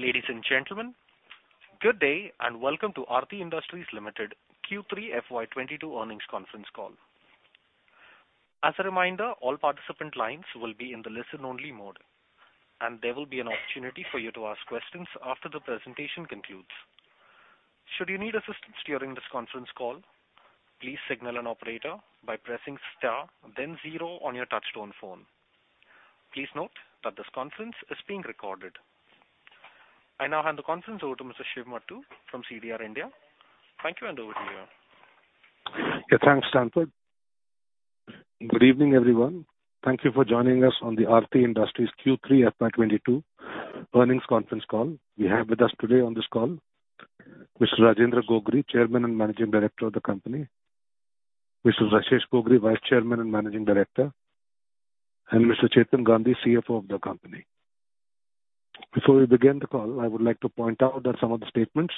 Ladies and gentlemen, good day, and welcome to Aarti Industries Limited Q3 FY 2022 earnings conference call. As a reminder, all participant lines will be in the listen-only mode, and there will be an opportunity for you to ask questions after the presentation concludes. Should you need assistance during this conference call, please signal an operator by pressing star then zero on your touchtone phone. Please note that this conference is being recorded. I now hand the conference over to Mr. Shiv Muttoo from CDR India. Thank you and over to you. Yeah, thanks, Stanford. Good evening everyone. Thank you for joining us on the Aarti Industries Q3 FY 2022 earnings conference call. We have with us today on this call Mr. Rajendra Gogri, Chairman and Managing Director of the company, Mr. Rasesh Gogri, Vice Chairman and Managing Director, and Mr. Chetan Gandhi, CFO of the company. Before we begin the call, I would like to point out that some of the statements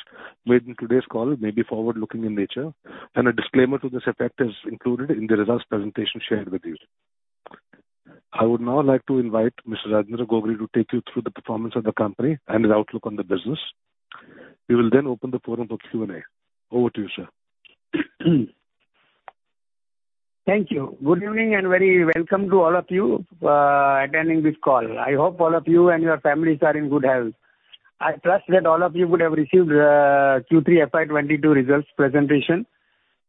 made in today's call may be forward-looking in nature, and a disclaimer to this effect is included in the results presentation shared with you. I would now like to invite Mr. Rajendra Gogri to take you through the performance of the company and his outlook on the business. We will then open the forum for Q&A. Over to you, sir. Thank you. Good evening and very welcome to all of you attending this call. I hope all of you and your families are in good health. I trust that all of you would have received, Q3 FY 2022 results presentation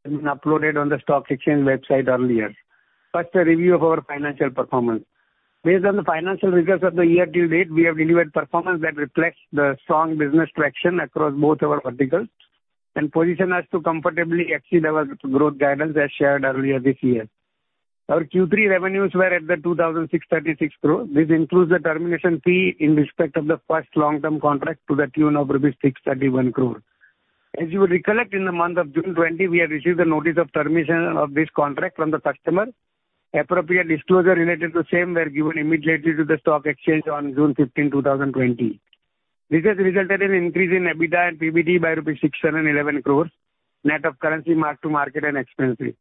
and uploaded on the stock exchange website earlier. First, a review of our financial performance. Based on the financial results of the year to date, we have delivered performance that reflects the strong business traction across both our verticals and position us to comfortably exceed our growth guidance as shared earlier this year. Our Q3 revenues were at 2,636 crore. This includes the termination fee in respect of the first long-term contract to the tune of 631 crore rupees. As you will recollect, in the month of June 2020, we have received a notice of termination of this contract from the customer. Appropriate disclosure related to the same were given immediately to the stock exchange on June 15th, 2020. This has resulted in increase in EBITDA and PBT by rupees 611 crore, net of currency mark-to-market and expense fee.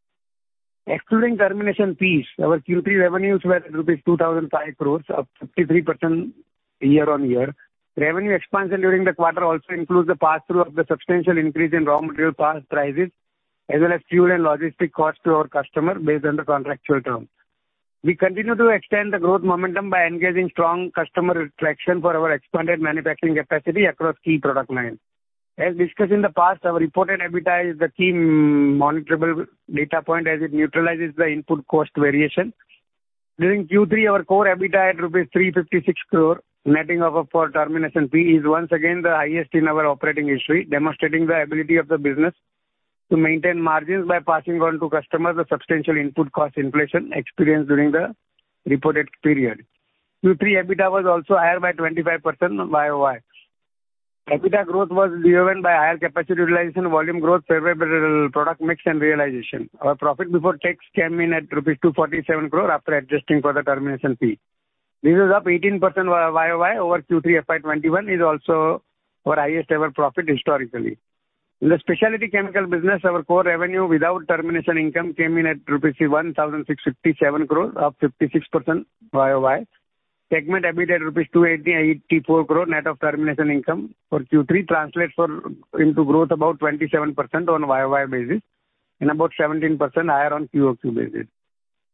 Excluding termination fees, our Q3 revenues were INR 2,005 crore, up 53% year-on-year. Revenue expansion during the quarter also includes the passthrough of the substantial increase in raw material cost prices, as well as fuel and logistic cost to our customer based on the contractual terms. We continue to extend the growth momentum by engaging strong customer traction for our expanded manufacturing capacity across key product lines. As discussed in the past, our reported EBITDA is the key monetizable data point as it neutralizes the input cost variation. During Q3, our core EBITDA at rupees 356 crore, netting off for termination fee, is once again the highest in our operating history, demonstrating the ability of the business to maintain margins by passing on to customers the substantial input cost inflation experienced during the reported period. Q3 EBITDA was also higher by 25% YoY. EBITDA growth was driven by higher capacity utilization, volume growth, favorable product mix and realization. Our profit before tax came in at rupees 247 crore after adjusting for the termination fee. This is up 18% YoY over Q3 FY 2021 and is also our highest ever profit historically. In the specialty chemical business, our core revenue without termination income came in at INR 1,657 crores, up 56% YoY. Segment EBITDA INR 288.4 crore net of termination income for Q3 translates into growth about 27% on YoY basis and about 17% higher on QOQ basis.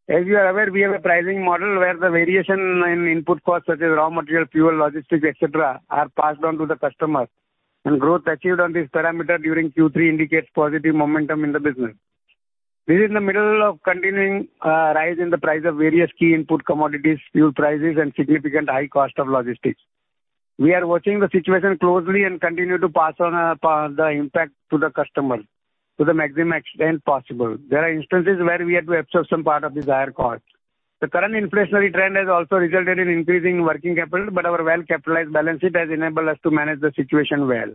As you are aware, we have a pricing model where the variation in input costs, such as raw material, fuel, logistics, et cetera, are passed on to the customer. Growth achieved on this parameter during Q3 indicates positive momentum in the business. This in the middle of continuing rise in the price of various key input commodities, fuel prices and significant high cost of logistics. We are watching the situation closely and continue to pass on the impact to the customer to the maximum extent possible. There are instances where we had to absorb some part of these higher costs. The current inflationary trend has also resulted in increasing working capital, but our well-capitalized balance sheet has enabled us to manage the situation well.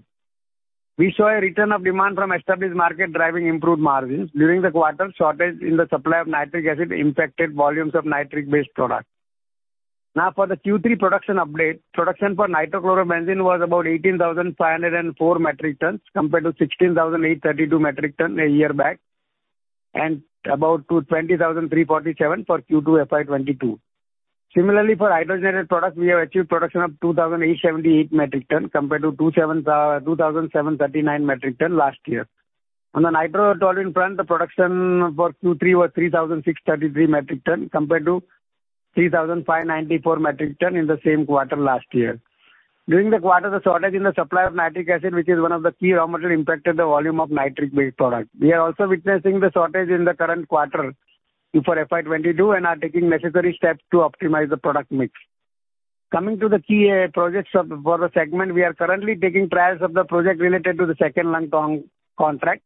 We saw a return of demand from established market driving improved margins. During the quarter, shortage in the supply of nitric acid impacted volumes of nitric-based product. Now for the Q3 production update. Production for Nitro Chloro Benzenes was about 18,504 metric tons compared to 16,832 metric tons a year back, and about 20,347 for Q2 FY 2022. Similarly, for hydrogenated products, we have achieved production of 2,878 metric tons compared to 2,739 metric tons last year. On the Nitrotoluene front, the production for Q3 was 3,633 metric tons compared to 3,594 metric tons in the same quarter last year. During the quarter, the shortage in the supply of nitric acid, which is one of the key raw material, impacted the volume of nitric-based product. We are also witnessing the shortage in the current quarter for FY 2022 and are taking necessary steps to optimize the product mix. Coming to the key projects for the segment, we are currently taking trials of the project related to the second long-term contract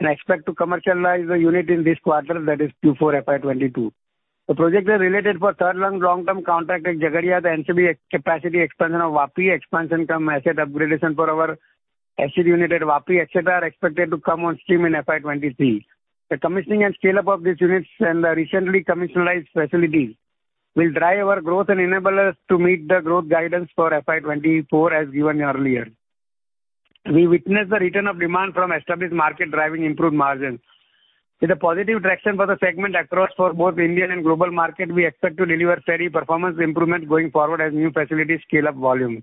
and expect to commercialize the unit in this quarter, that is Q4 FY 2022. The projects are related to the third long-term contract at Jagadia, the NCB capacity expansion of Vapi, expansion cum asset upgradation for our acid unit at Vapi, etc., are expected to come on stream in FY 2023. The commissioning and scale-up of these units and the recently commissioned facilities will drive our growth and enable us to meet the growth guidance for FY 2024 as given earlier. We witnessed the return of demand from established market driving improved margins. With a positive traction for the segment across both Indian and global market, we expect to deliver steady performance improvement going forward as new facilities scale up volume.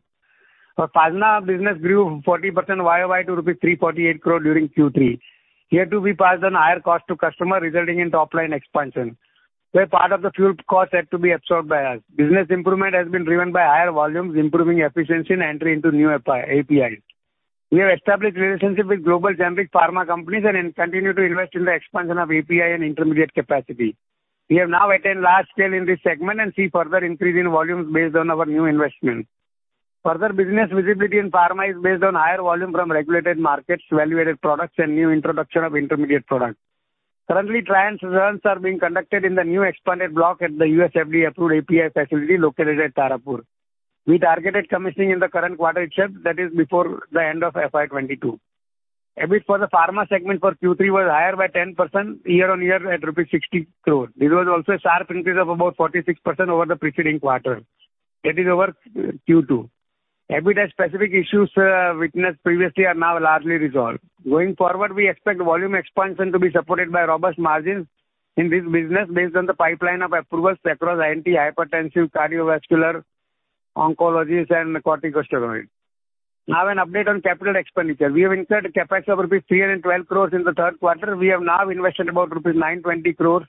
Our Pharma business grew 40% YoY to 348 crore rupees during Q3. Here too, we passed on higher cost to customer, resulting in top line expansion, where part of the fuel cost had to be absorbed by us. Business improvement has been driven by higher volumes, improving efficiency and entry into new APIs. We have established relationship with global generic pharma companies and continue to invest in the expansion of API and intermediate capacity. We have now attained large scale in this segment and see further increase in volumes based on our new investments. Further business visibility in Pharma is based on higher volume from regulated markets, value-added products and new introduction of intermediate products. Currently, trial runs are being conducted in the new expanded block at the U.S. FDA-approved API facility located at Tarapur. We targeted commissioning in the current quarter itself, that is before the end of FY 2022. EBIT for the Pharma segment for Q3 was higher by 10% year-on-year at rupees 60 crore. This was also a sharp increase of about 46% over the preceding quarter, that is over Q2. EBIT has specific issues witnessed previously are now largely resolved. Going forward, we expect volume expansion to be supported by robust margins in this business based on the pipeline of approvals across anti-hypertensive, cardiovascular, oncologies and corticosteroids. Now an update on capital expenditure. We have incurred CapEx of rupees 312 crores in the third quarter. We have now invested about rupees 920 crores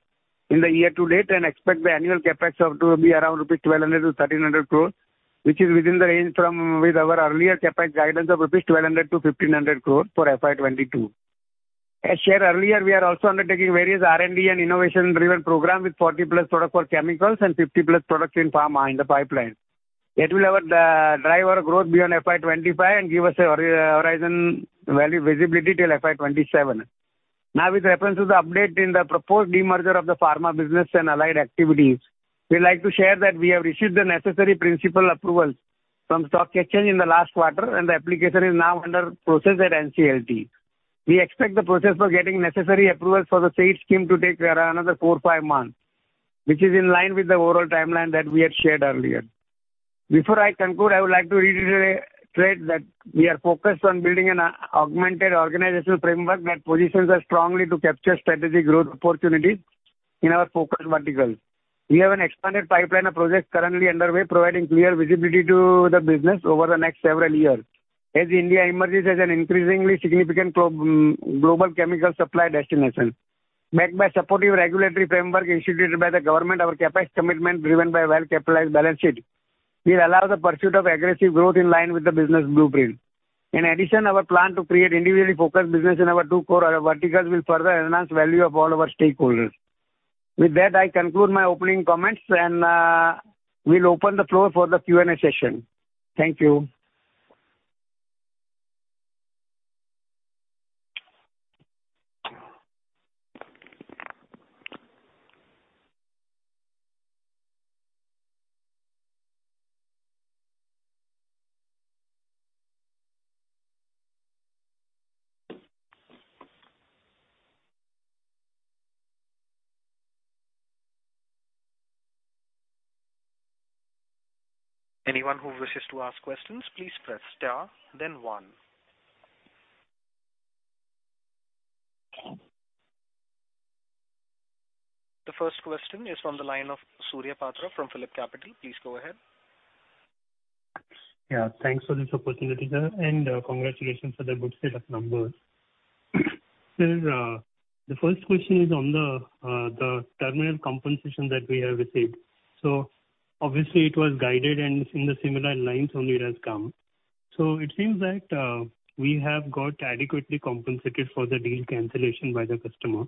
in the year to date and expect the annual CapEx have to be around 1,200-1,300 crores rupees, which is within the range from with our earlier CapEx guidance of 1,200-1,500 crores rupees for FY 2022. As shared earlier, we are also undertaking various R&D and innovation-driven program with 40+ products for chemicals and 50+ products in pharma in the pipeline. It will drive growth beyond FY 2025 and give us a long-horizon value visibility till FY 2027. Now with reference to the update in the proposed demerger of the pharma business and allied activities, we like to share that we have received the necessary in-principle approvals from stock exchange in the last quarter, and the application is now under process at NCLT. We expect the process for getting necessary approvals for the said scheme to take around another four to five months, which is in line with the overall timeline that we had shared earlier. Before I conclude, I would like to reiterate that we are focused on building an augmented organizational framework that positions us strongly to capture strategic growth opportunities in our focus verticals. We have an expanded pipeline of projects currently underway, providing clear visibility to the business over the next several years as India emerges as an increasingly significant global chemical supply destination. Backed by supportive regulatory framework instituted by the government, our CapEx commitment driven by well-capitalized balance sheet will allow the pursuit of aggressive growth in line with the business blueprint. In addition, our plan to create individually focused business in our two core verticals will further enhance value of all our stakeholders. With that, I conclude my opening comments and we'll open the floor for the Q&A session. Thank you. Anyone who wishes to ask questions, please press star then one. The first question is from the line of Surya Patra from PhillipCapital. Please go ahead. Yeah, thanks for this opportunity sir and congratulations for the good set of numbers. Sir, the first question is on the termination compensation that we have received. Obviously it was guided and in the similar lines only it has come. It seems that we have got adequately compensated for the deal cancellation by the customer.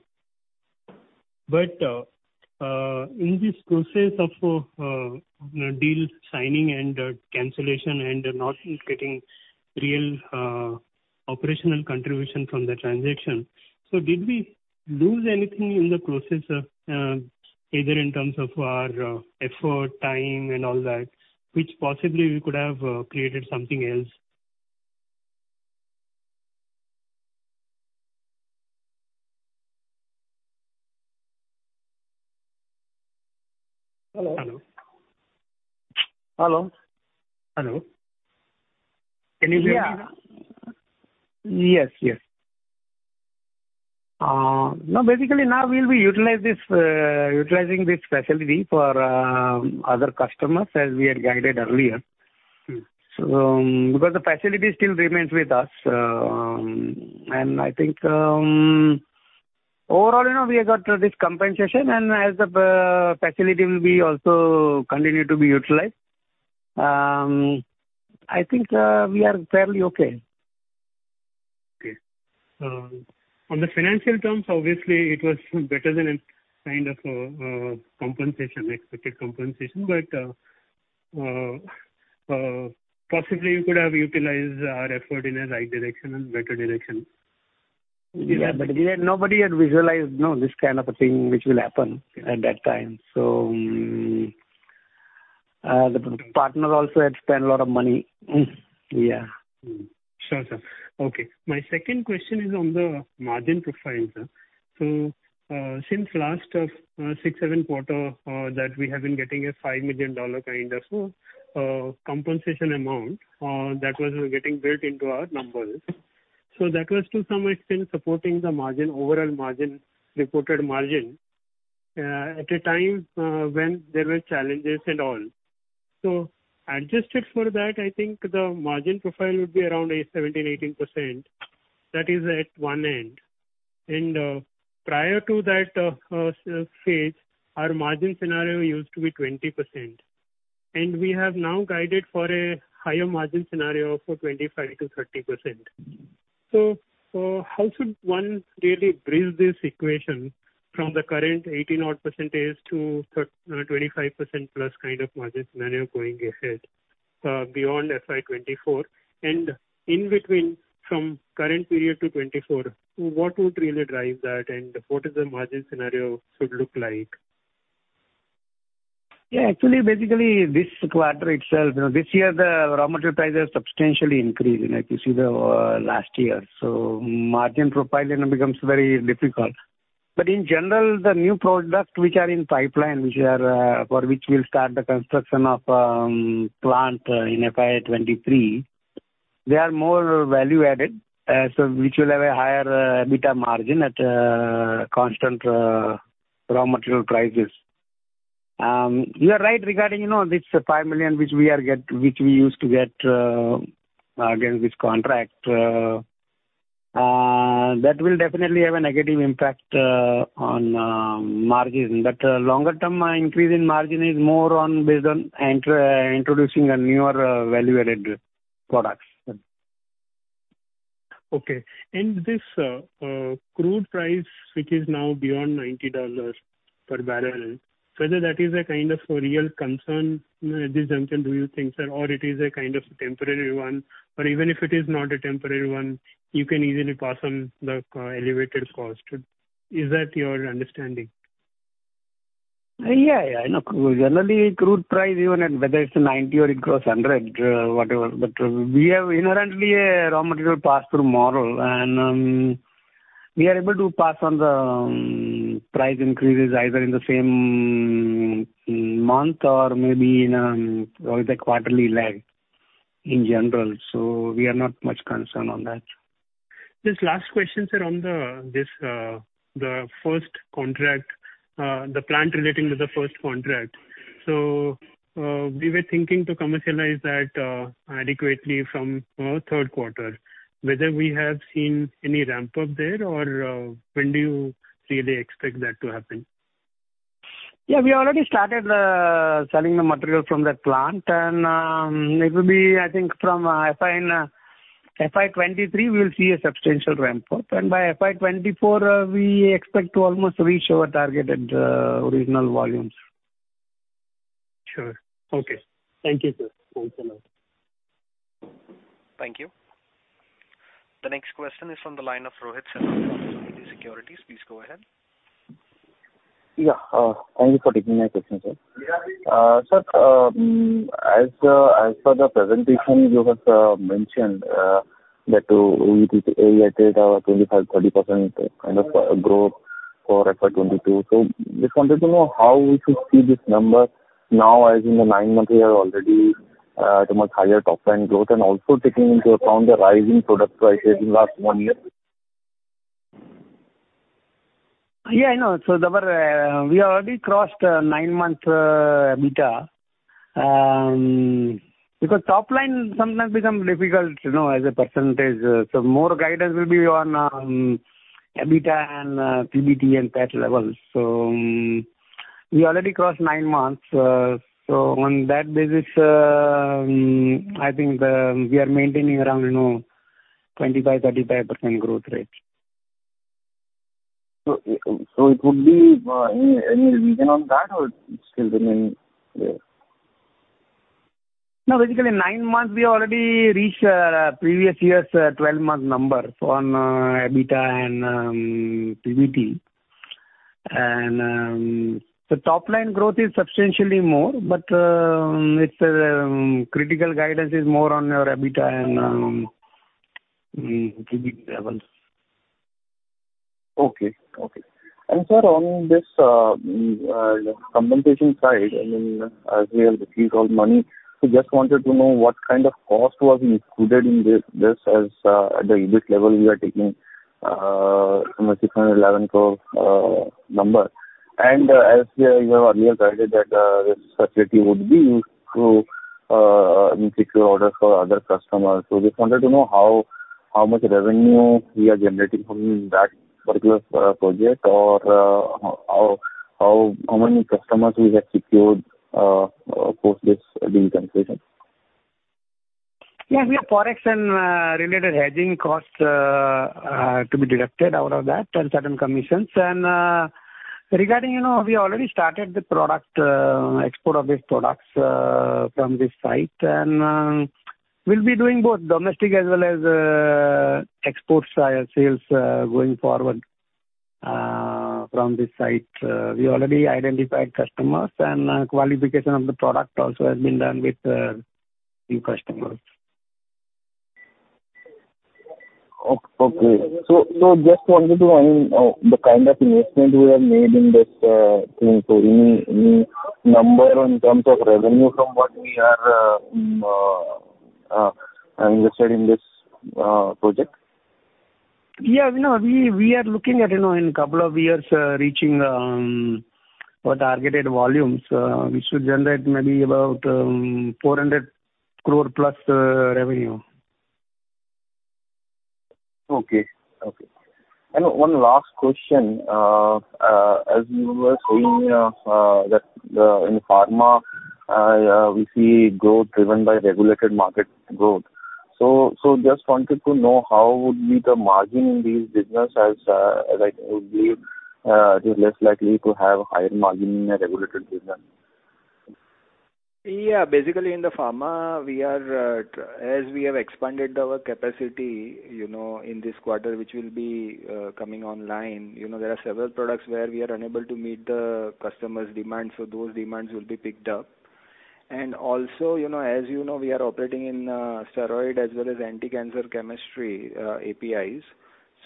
In this process of deal signing and cancellation and not getting real operational contribution from the transaction, so did we lose anything in the process, either in terms of our effort, time and all that, which possibly we could have created something else? Hello? Hello. Can you hear me now? Yeah. Yes, yes. Now basically, utilizing this facility for other customers as we had guided earlier. Mm. Because the facility still remains with us. I think, overall, you know, we have got this compensation and as the facility will be also continue to be utilized, I think, we are fairly okay. Okay. On the financial terms, obviously it was better than kind of expected compensation. Possibly you could have utilized our effort in a right direction and better direction. Yeah, but nobody had visualized, you know, this kind of a thing which will happen at that time. The partners also had spent a lot of money. Yeah. Sure, sir. Okay. My second question is on the margin profile, sir. Since last six, sevem quarters, we have been getting a $5 million kind of compensation amount that was getting built into our numbers. That was to some extent supporting the margin, overall margin, reported margin at a time when there were challenges and all. Adjusted for that, I think the margin profile would be around 17%-18%. That is at one end. Prior to that, S-phase, our margin scenario used to be 20%. We have now guided for a higher margin scenario for 25%-30%. How should one really bridge this equation from the current 18 odd % to 25% plus kind of margin scenario going ahead, beyond FY 2024? In between, from current period to 2024, what would really drive that, and what is the margin scenario should look like? Yeah. Actually, basically, this quarter itself. You know, this year the raw material prices substantially increased, you know, if you see the last year, so margin profile, you know, becomes very difficult. But in general, the new product which are in pipeline for which we'll start the construction of plant in FY 2023, they are more value-added, so which will have a higher EBITDA margin at constant raw material prices. You are right regarding, you know, this $5 million which we used to get against this contract. That will definitely have a negative impact on margin. But longer term, increase in margin is more based on introducing a newer value-added products. Okay. This crude price, which is now beyond $90 per barrel, whether that is a kind of a real concern, at this juncture do you think, sir, or it is a kind of temporary one? Even if it is not a temporary one, you can easily pass on the elevated cost. Is that your understanding? Yeah, yeah. You know, generally crude price even at whether it's 90 or it crosses 100, whatever, but we have inherently a raw material pass-through model, and we are able to pass on the price increases either in the same month or maybe with a quarterly lag in general. We are not much concerned on that. Just last question, sir, on the first contract, the plant relating to the first contract. We were thinking to commercialize that adequately from third quarter. Whether we have seen any ramp-up there or when do you really expect that to happen? Yeah. We already started selling the material from that plant and it will be, I think, from FY 2023 we'll see a substantial ramp-up. By FY 2024, we expect to almost reach our targeted original volumes. Sure. Okay. Thank you, sir. Thanks a lot. Thank you. The next question is from the line of Rohit Chawla from Edelweiss Securities. Please go ahead. Thank you for taking my question, sir. Sir, as per the presentation, you have mentioned that we need to alleviate our 25%-30% kind of growth for FY 2022. Just wanted to know how we should see this number now as in the nine months we are already at a much higher top line growth, and also taking into account the rise in product prices in last one year. Yeah, I know. We already crossed nine month EBITDA. Because top line sometimes becomes difficult, you know, as a percentage. More guidance will be on EBITDA and PBT and PAT levels. We already crossed nine months. On that basis, I think we are maintaining around, you know, 25%-35% growth rate. It would be any region on that or still remain there? No. Basically nine months we already reached previous year's 12-month number on EBITDA and PBT. Top line growth is substantially more, but it's critical guidance is more on our EBITDA and PBT levels. Okay. Sir, on this compensation side, I mean, as we have received all money, just wanted to know what kind of cost was included in this as, at the Ind AS level we are taking 611 crore number. As you have earlier guided that this facility would be used to execute orders for other customers, just wanted to know how much revenue we are generating from that particular project or how many customers we have secured post this deal completion? Yeah. We have Forex and related hedging costs to be deducted out of that and certain commissions. Regarding, you know, we already started the product export of these products from this site. We'll be doing both domestic as well as export sales going forward from this site. We already identified customers and qualification of the product also has been done with new customers. Okay. Just wanted to know the kind of investment we have made in this thing. Any number in terms of revenue from what we are invested in this project? Yeah, you know, we are looking at, you know, in couple of years, reaching our targeted volumes. We should generate maybe about 400 crore plus revenue. Okay. One last question. As you were saying that in pharma we see growth driven by regulated market growth. Just wanted to know how would be the margin in these business as like it would be. It is less likely to have higher margin in a regulated business. Yeah. Basically, in the Pharma we are. As we have expanded our capacity, you know, in this quarter, which will be coming online, you know, there are several products where we are unable to meet the customers' demand, so those demands will be picked up. Also, you know, as you know, we are operating in steroid as well as anti-cancer chemistry, APIs.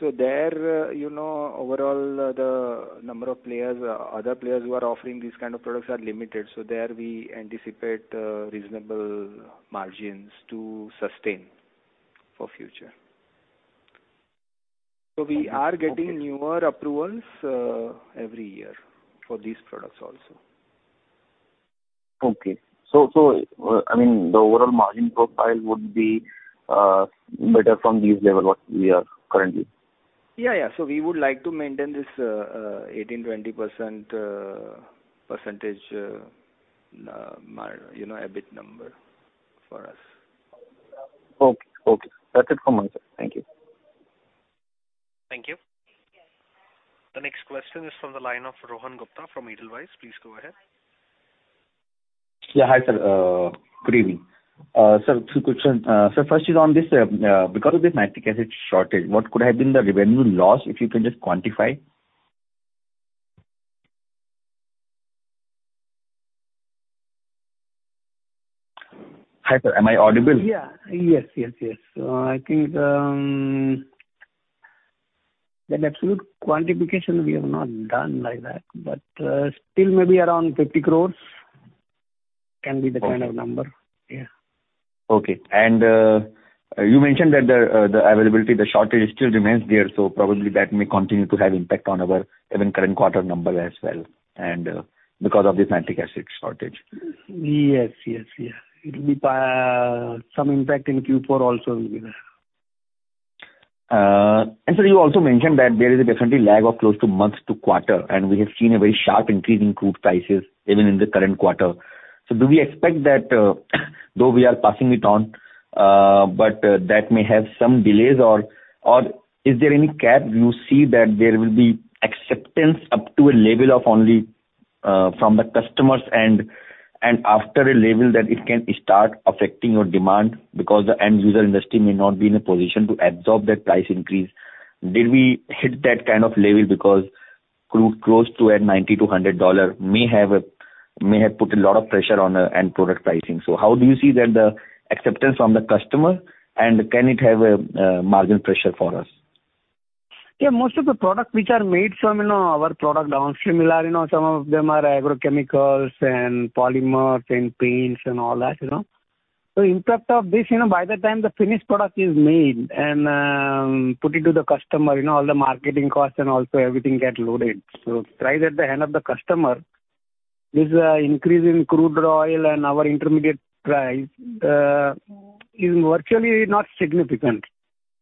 There, you know, overall the number of players, other players who are offering these kind of products are limited, so there we anticipate reasonable margins to sustain for future. Okay. Okay. We are getting newer approvals every year for these products also. I mean, the overall margin profile would be better from these level what we are currently? We would like to maintain this 18%-20% margin, you know, EBIT number for us. Okay. Okay. That's it from my side. Thank you. Thank you. The next question is from the line of Rohan Gupta from Edelweiss. Please go ahead. Yeah, hi sir, good evening. Sir, two questions. First is on this, because of this methacrylic acid shortage, what could have been the revenue loss, if you can just quantify? Hi sir, am I audible? Yes. I think the absolute quantification we have not done like that, but still maybe around 50 crore can be the kind of number. Okay. Yeah. Okay. You mentioned that the availability, the shortage still remains there, so probably that may continue to have impact on our even current quarter number as well and because of this methacrylic acid shortage. Yes. It will be by some impact in Q4 also will be there. You also mentioned that there is a definite lag of close to a month to a quarter, and we have seen a very sharp increase in crude prices even in the current quarter. Do we expect that, though we are passing it on, that may have some delays or is there any cap you see that there will be acceptance up to a level of only from the customers and after a level that it can start affecting your demand because the end user industry may not be in a position to absorb that price increase? Did we hit that kind of level because crude close to $90-$100 may have put a lot of pressure on the end product pricing. How do you see that the acceptance from the customer and can it have a margin pressure for us? Yeah. Most of the products which are made from, you know, our product downstream, you know, some of them are agrochemicals and polymers and paints and all that, you know. Impact of this, you know, by the time the finished product is made and put to the customer, you know, all the marketing costs and also everything gets loaded. Price to the end customer is increasing crude oil and our intermediate price is virtually not significant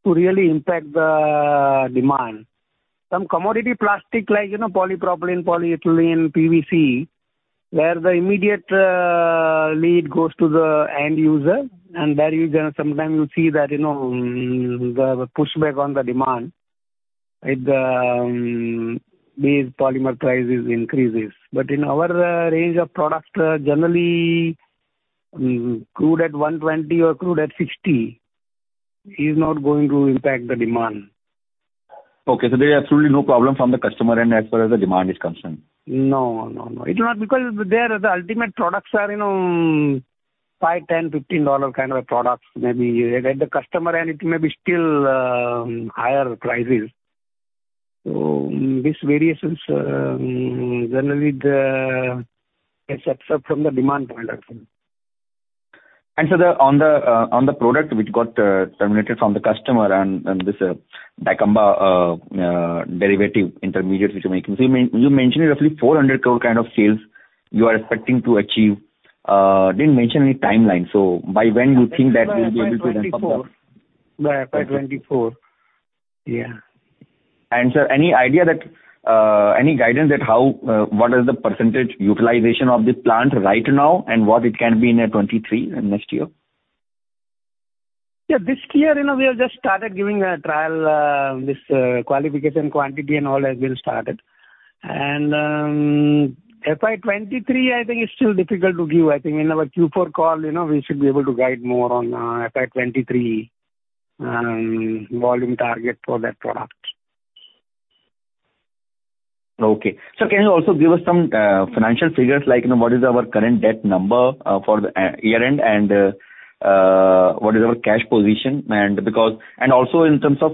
to really impact the demand. Some commodity plastics like, you know, Polypropylene, Polyethylene, PVC, where the immediate feed goes to the end user, and there you can sometimes see that, you know, the pushback on the demand with these polymer price increases. In our range of product, generally, crude at $120 or crude at $60 is not going to impact the demand. Okay. There is absolutely no problem from the customer end as far as the demand is concerned. No, no. It's not because their ultimate products are, you know, $5, $10, $15 kind of a product maybe. At the customer end it may be still higher prices. These variations generally it's absorbed from the demand point I think. On the product which got terminated from the customer and this dicamba derivative intermediates which you're making. You mentioned roughly 400 crore kind of sales you are expecting to achieve. Didn't mention any timeline. By when you think that you'll be able to then come up? By FY 2024. Yeah. Sir, any guidance on what is the percentage utilization of this plant right now and what it can be in 2023 next year? Yeah, this year, you know, we have just started giving a trial qualification quantity and all has been started. FY 2023 I think it's still difficult to give. I think in our Q4 call, you know, we should be able to guide more on FY 2023 volume target for that product. Okay. Can you also give us some financial figures like, you know, what is our current debt number for the year end and what is our cash position? Because also in terms of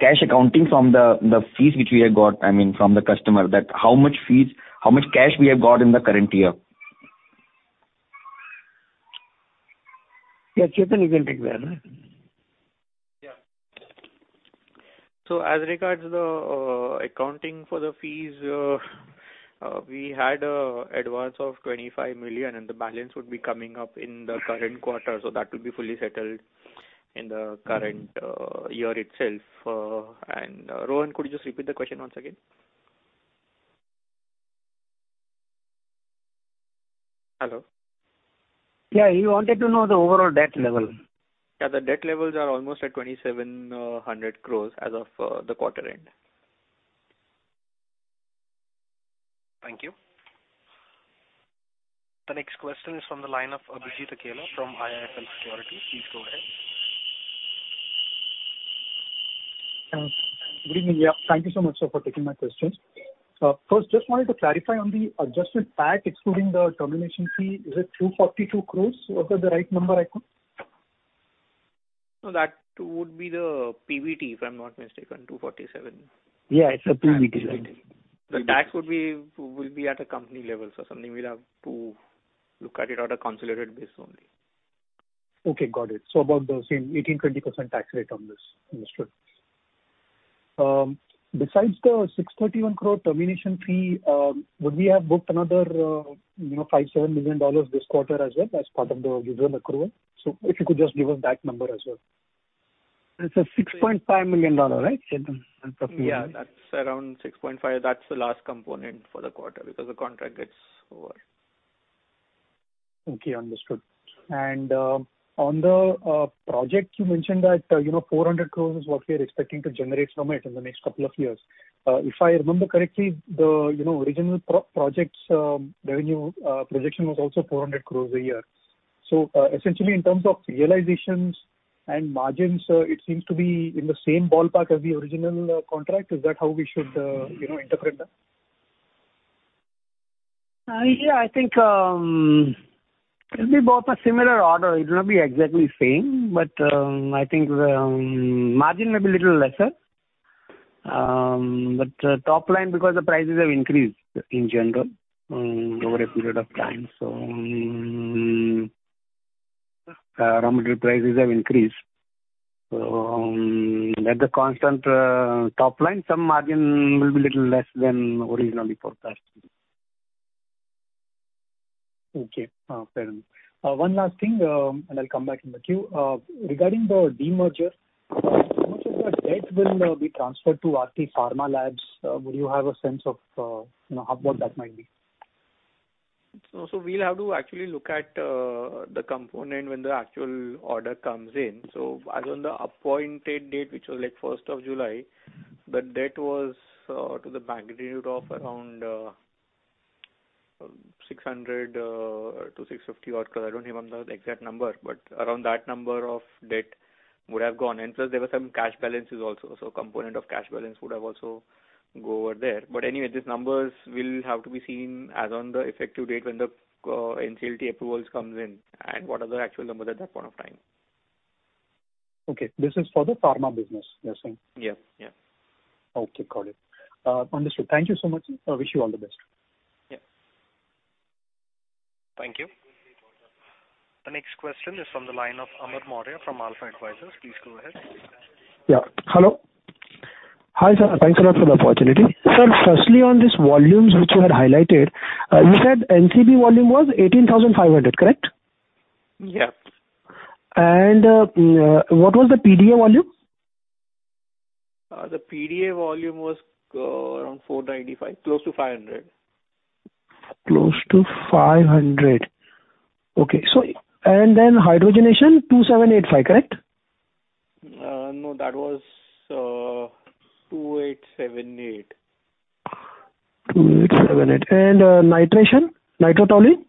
cash accounting from the fees which we have got, I mean from the customer, that how much fees, how much cash we have got in the current year? Yeah, Chetan, you can take that. As regards the accounting for the fees, we had an advance of 25 million, and the balance would be coming up in the current quarter, so that will be fully settled in the current year itself. Rohan, could you just repeat the question once again? Hello? Yeah, he wanted to know the overall debt level. Yeah, the debt levels are almost at 2,700 crore as of the quarter end. Thank you. The next question is from the line of Abhijit Akella from IIFL Securities. Please go ahead. Good evening. Yeah, thank you so much, sir, for taking my questions. First, just wanted to clarify on the adjustment pack excluding the termination fee, is it 242 crore? Was that the right number I got? No, that would be the PBT, if I'm not mistaken, 247. Yeah, it's the PBT. The tax will be at a company level. Something we'd have to look at it on a consolidated basis only. Okay, got it. About the same 18%-20% tax rate on this. Understood. Besides the 631 crore termination fee, would we have booked another, you know, $5-$7 million this quarter as well as part of the reserve accrual? If you could just give us that number as well. It's a $6.5 million, right? Yeah, that's around 6.5. That's the last component for the quarter because the contract gets over. Okay, understood. On the project you mentioned that, you know, 400 crore is what we are expecting to generate from it in the next couple of years. If I remember correctly, the, you know, original project's revenue projection was also 400 crore a year. Essentially in terms of realizations and margins, it seems to be in the same ballpark as the original contract. Is that how we should interpret that? Yeah. I think it'll be about a similar order. It'll not be exactly same. I think the margin may be little lesser. Top line, because the prices have increased in general over a period of time. Raw material prices have increased. At the constant top line, some margin will be little less than originally forecasted. Okay. Fair enough. One last thing, and I'll come back in the queue. Regarding the demerger, how much of that debt will be transferred to Aarti Pharmalabs? Would you have a sense of, you know, how much that might be? We'll have to actually look at the component when the actual order comes in. As on the appointed date, which was like July 1st, the debt to the bank was around 600-650 crore. I don't remember the exact number, but around that number of debt would have gone in. Plus there were some cash balances also. Component of cash balance would have also go over there. Anyway, these numbers will have to be seen as on the effective date when the NCLT approvals comes in and what are the actual numbers at that point of time. Okay. This is for the Pharma business, you're saying? Yeah. Yeah. Okay. Got it. Understood. Thank you so much. Wish you all the best. Yeah. Thank you. The next question is from the line of Amar Maurya from Alfa Advisors. Please go ahead. Yeah. Hello. Hi, sir. Thanks a lot for the opportunity. Sir, firstly on these volumes which you had highlighted, you said NCB volume was 18,500, correct? Yeah. What was the p-Phenylenediamine volume? The p-Phenylenediamine volume was around 495, close to 500. Close to 500. Okay. And then hydrogenation, 2785, correct? No. That was 2878. 2878. Nitration, Nitrotoluene?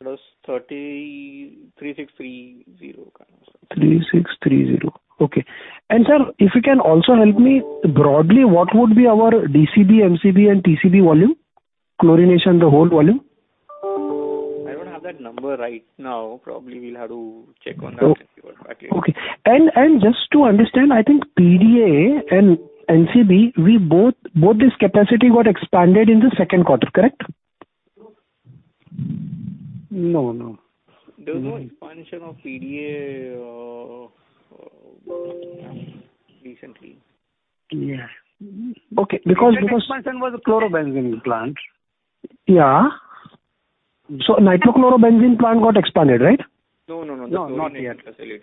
It was 33,630. 3,630. Okay. Sir, if you can also help me broadly, what would be our DCB, MCB and TCB volume? Chlorination, the whole volume. I don't have that number right now. Probably we'll have to check on that and get back to you. Okay. Just to understand, I think p-Phenylenediamine and NCB, we both this capacity got expanded in the second quarter, correct? No, no. There was no expansion of p-Phenylenediamine, recently. Yeah. Okay. Recent expansion was a chlorobenzene plant. Yeah. Nitro Chloro Benzene plant got expanded, right? No, no. Not yet. Still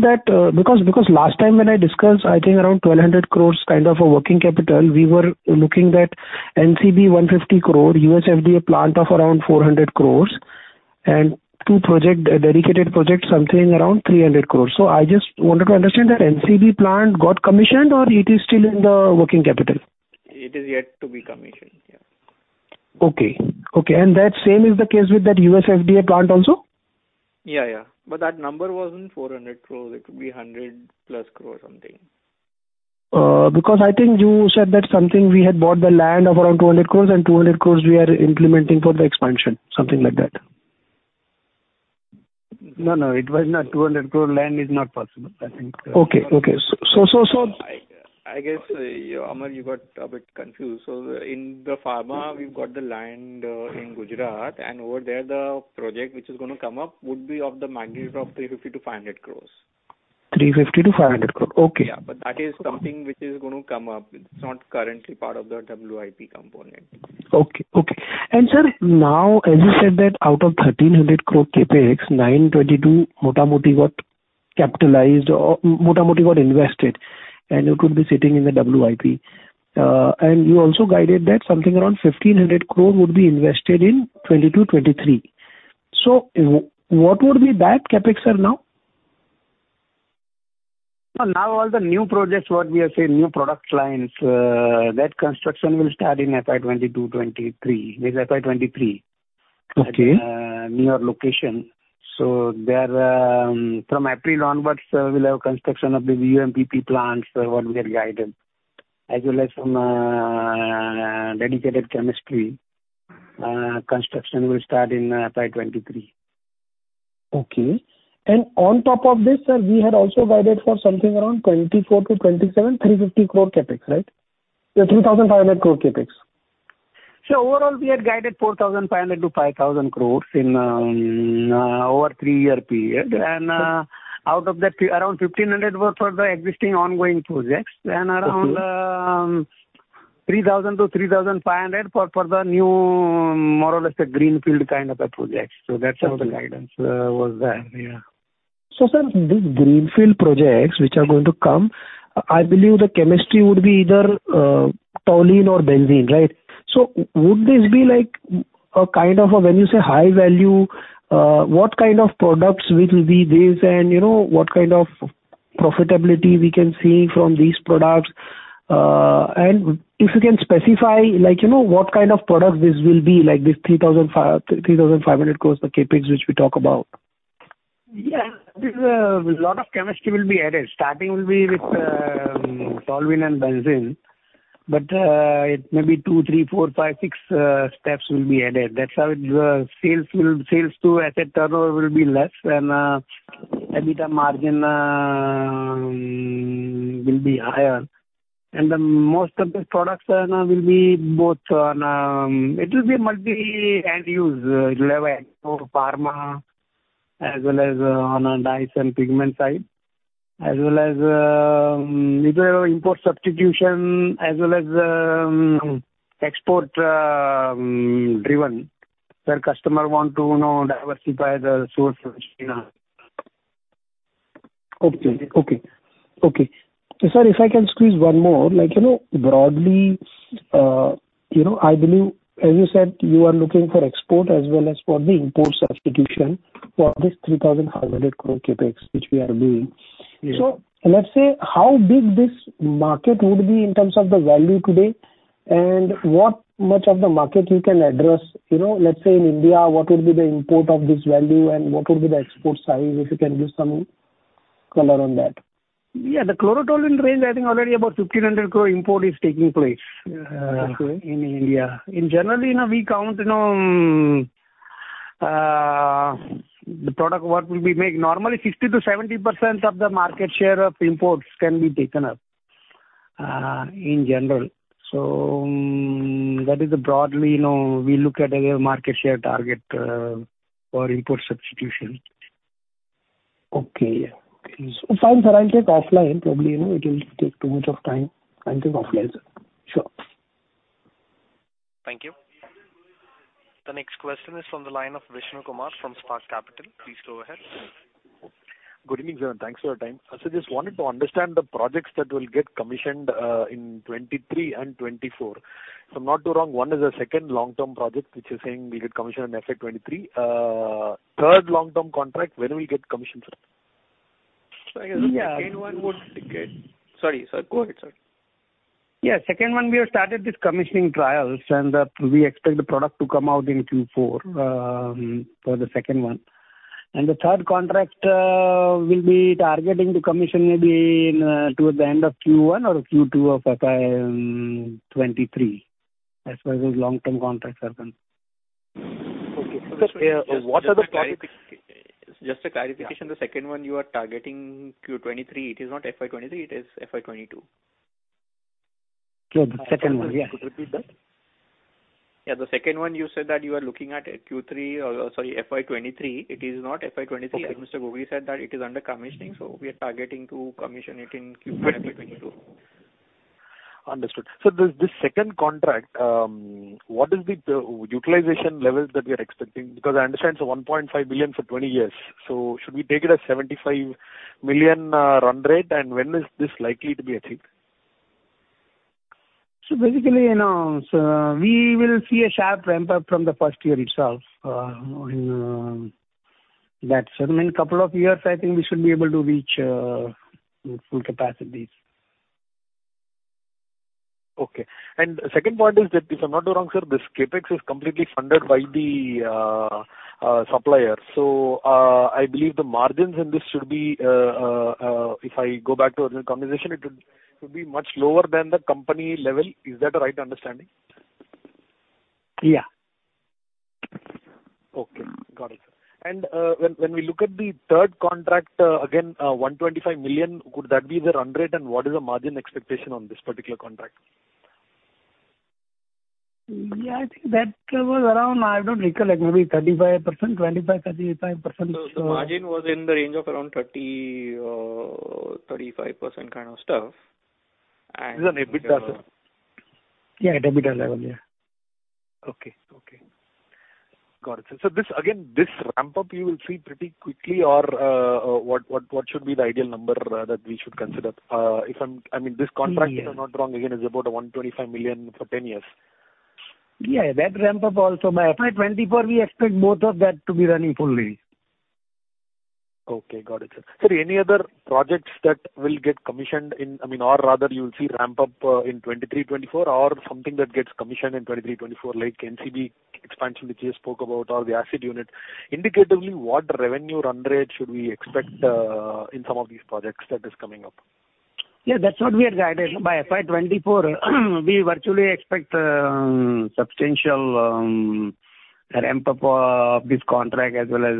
that because last time when I discussed, I think around 1,200 crores kind of a working capital, we were looking at NCB 150 crore, U.S. FDA plant of around 400 crores and two dedicated projects something around 300 crores. I just wanted to understand that NCB plant got commissioned or it is still in the working capital? It is yet to be commissioned. Yeah. Okay. That same is the case with that U.S. FDA plant also? Yeah, yeah. That number wasn't 400 crore. It could be 100+ crore or something. Because I think you said that something we had bought the land of around 200 crore and 200 crore we are implementing for the expansion, something like that. No, no, it was not 200 crore. Land is not possible, I think. Okay. I guess, Amar, you got a bit confused. In the Pharma we've got the land in Gujarat, and over there, the project which is gonna come up would be of the magnitude of 350 crore-500 crore. 350-500 crores. Okay. Yeah. That is something which is gonna come up. It's not currently part of the WIP component. Sir, now, as you said that out of 1,300 crore CapEx, 922 crore got capitalized or crore got invested, and it could be sitting in the WIP. You also guided that something around 1,500 crore would be invested in 2022, 2023. What would be that CapEx now? Now all the new projects what we are saying, new product lines, that construction will start in FY 2022, 2023. Means FY 2023. Okay. From April onwards, we'll have construction of the UMTP plants, what we have guided. As well as from dedicated chemistry, construction will start in FY 2023. Okay. On top of this, sir, we had also guided for something around 2024-2027, 350 crore CapEx, right? 3,500 crore CapEx. Overall we had guided 4,500 crore-5,000 crore in our three-year period. Out of that, around 1,500 crore were for the existing ongoing projects. Okay. Around 3,000-3,500 for the new more or less the greenfield kind of a project. That's how the guidance was there. Yeah. Sir, these greenfield projects which are going to come, I believe the chemistry would be either toluene or benzene, right? Would this be when you say high value, what kind of products which will be this and, you know, what kind of profitability we can see from these products? And if you can specify, like, you know, what kind of product this will be, like this 3,500 crores of CapEx which we talk about. Yeah. This lot of chemistry will be added. Starting will be with toluene and benzene. It may be two, three, four, five, six steps will be added. That's how sales to asset turnover will be less and EBITDA margin will be higher. Then most of these products then will be both on it will be multi-end use level for pharma as well as on a dyes and pigment side. As well as these are import substitution as well as export driven. Where customer want to, you know, diversify the source. Okay. Sir, if I can squeeze one more, like, you know, broadly, I believe, as you said, you are looking for export as well as for the import substitution for this 3,500 crore CapEx which we are doing. Yeah. Let's say, how big this market would be in terms of the value today and how much of the market you can address, you know, let's say in India, what will be the import value and what will be the export size? If you can give some color on that. Yeah. The chlorotoluene range, I think already about 1,500 crore import is taking place. Okay. In India. In general, you know, we count, you know, the product what will we make. Normally 60%-70% of the market share of imports can be taken up, in general. That is broadly, you know, we look at a market share target, for import substitution. Okay. Yeah. Okay. Fine, sir, I'll take offline. Probably, you know, it will take too much of time. I'll take offline, sir. Sure. Thank you. The next question is from the line of Vishnu Kumar from Spark Capital. Please go ahead. Good evening, sir, and thanks for your time. I just wanted to understand the projects that will get commissioned in 2023 and 2024. If I'm not too wrong, one is a second long-term project which you're saying will get commissioned in FY 2023. Third long-term contract, when will you get commissioned, sir? I guess the second one would get. Yeah. Second one we have started with commissioning trials, and we expect the product to come out in Q4 for the second one. The third contract, we'll be targeting to commission maybe in, towards the end of Q1 or Q2 of FY 2023. As far as those long-term contracts are concerned. Okay. Just a clarification. What are the projects? Just a clarification. The second one you are targeting Q23. It is not FY 2023, it is FY 2022. Sorry, the second one. Yeah. Could you repeat that? Yeah. The second one you said that you are looking at Q3 or, sorry, FY 2023. It is not FY 2023. Okay. Like Mr. Gogri said that it is under commissioning, so we are targeting to commission it in Q4 FY 2022. Understood. This second contract, what is the utilization levels that we are expecting? Because I understand it's 1.5 billion for 20 years, so should we take it as 75 million run rate? And when is this likely to be achieved? Basically, you know, we will see a sharp ramp-up from the first year itself. In that certain couple of years, I think we should be able to reach full capacities. Okay. Second point is that if I'm not wrong, sir, this CapEx is completely funded by the supplier. I believe the margins in this should be, if I go back to our conversation, it would, could be much lower than the company level. Is that a right understanding? Yeah. Okay. Got it. When we look at the third contract, again, 125 million, could that be the run rate and what is the margin expectation on this particular contract? Yeah, I think that was around. I don't recollect, maybe 35%, 25%, 35%. The margin was in the range of around 30% or 35% kind of stuff. This is on EBITDA, sir. Yeah, at EBITDA level, yeah. Okay. Got it. This, again, this ramp-up you will see pretty quickly or what should be the ideal number that we should consider? I mean, this contract, if I'm not wrong again, is about 125 million for 10 years. Yeah, that ramp up also. By FY 2024 we expect both of that to be running fully. Okay. Got it, sir. Sir, any other projects that will get commissioned in, I mean, or rather you'll see ramp up in 2023, 2024 or something that gets commissioned in 2023, 2024, like NCB expansion which you spoke about or the acid unit. Indicatively, what revenue run rate should we expect in some of these projects that is coming up? Yeah, that's what we are guided. By FY 2024 we virtually expect substantial ramp up of this contract as well as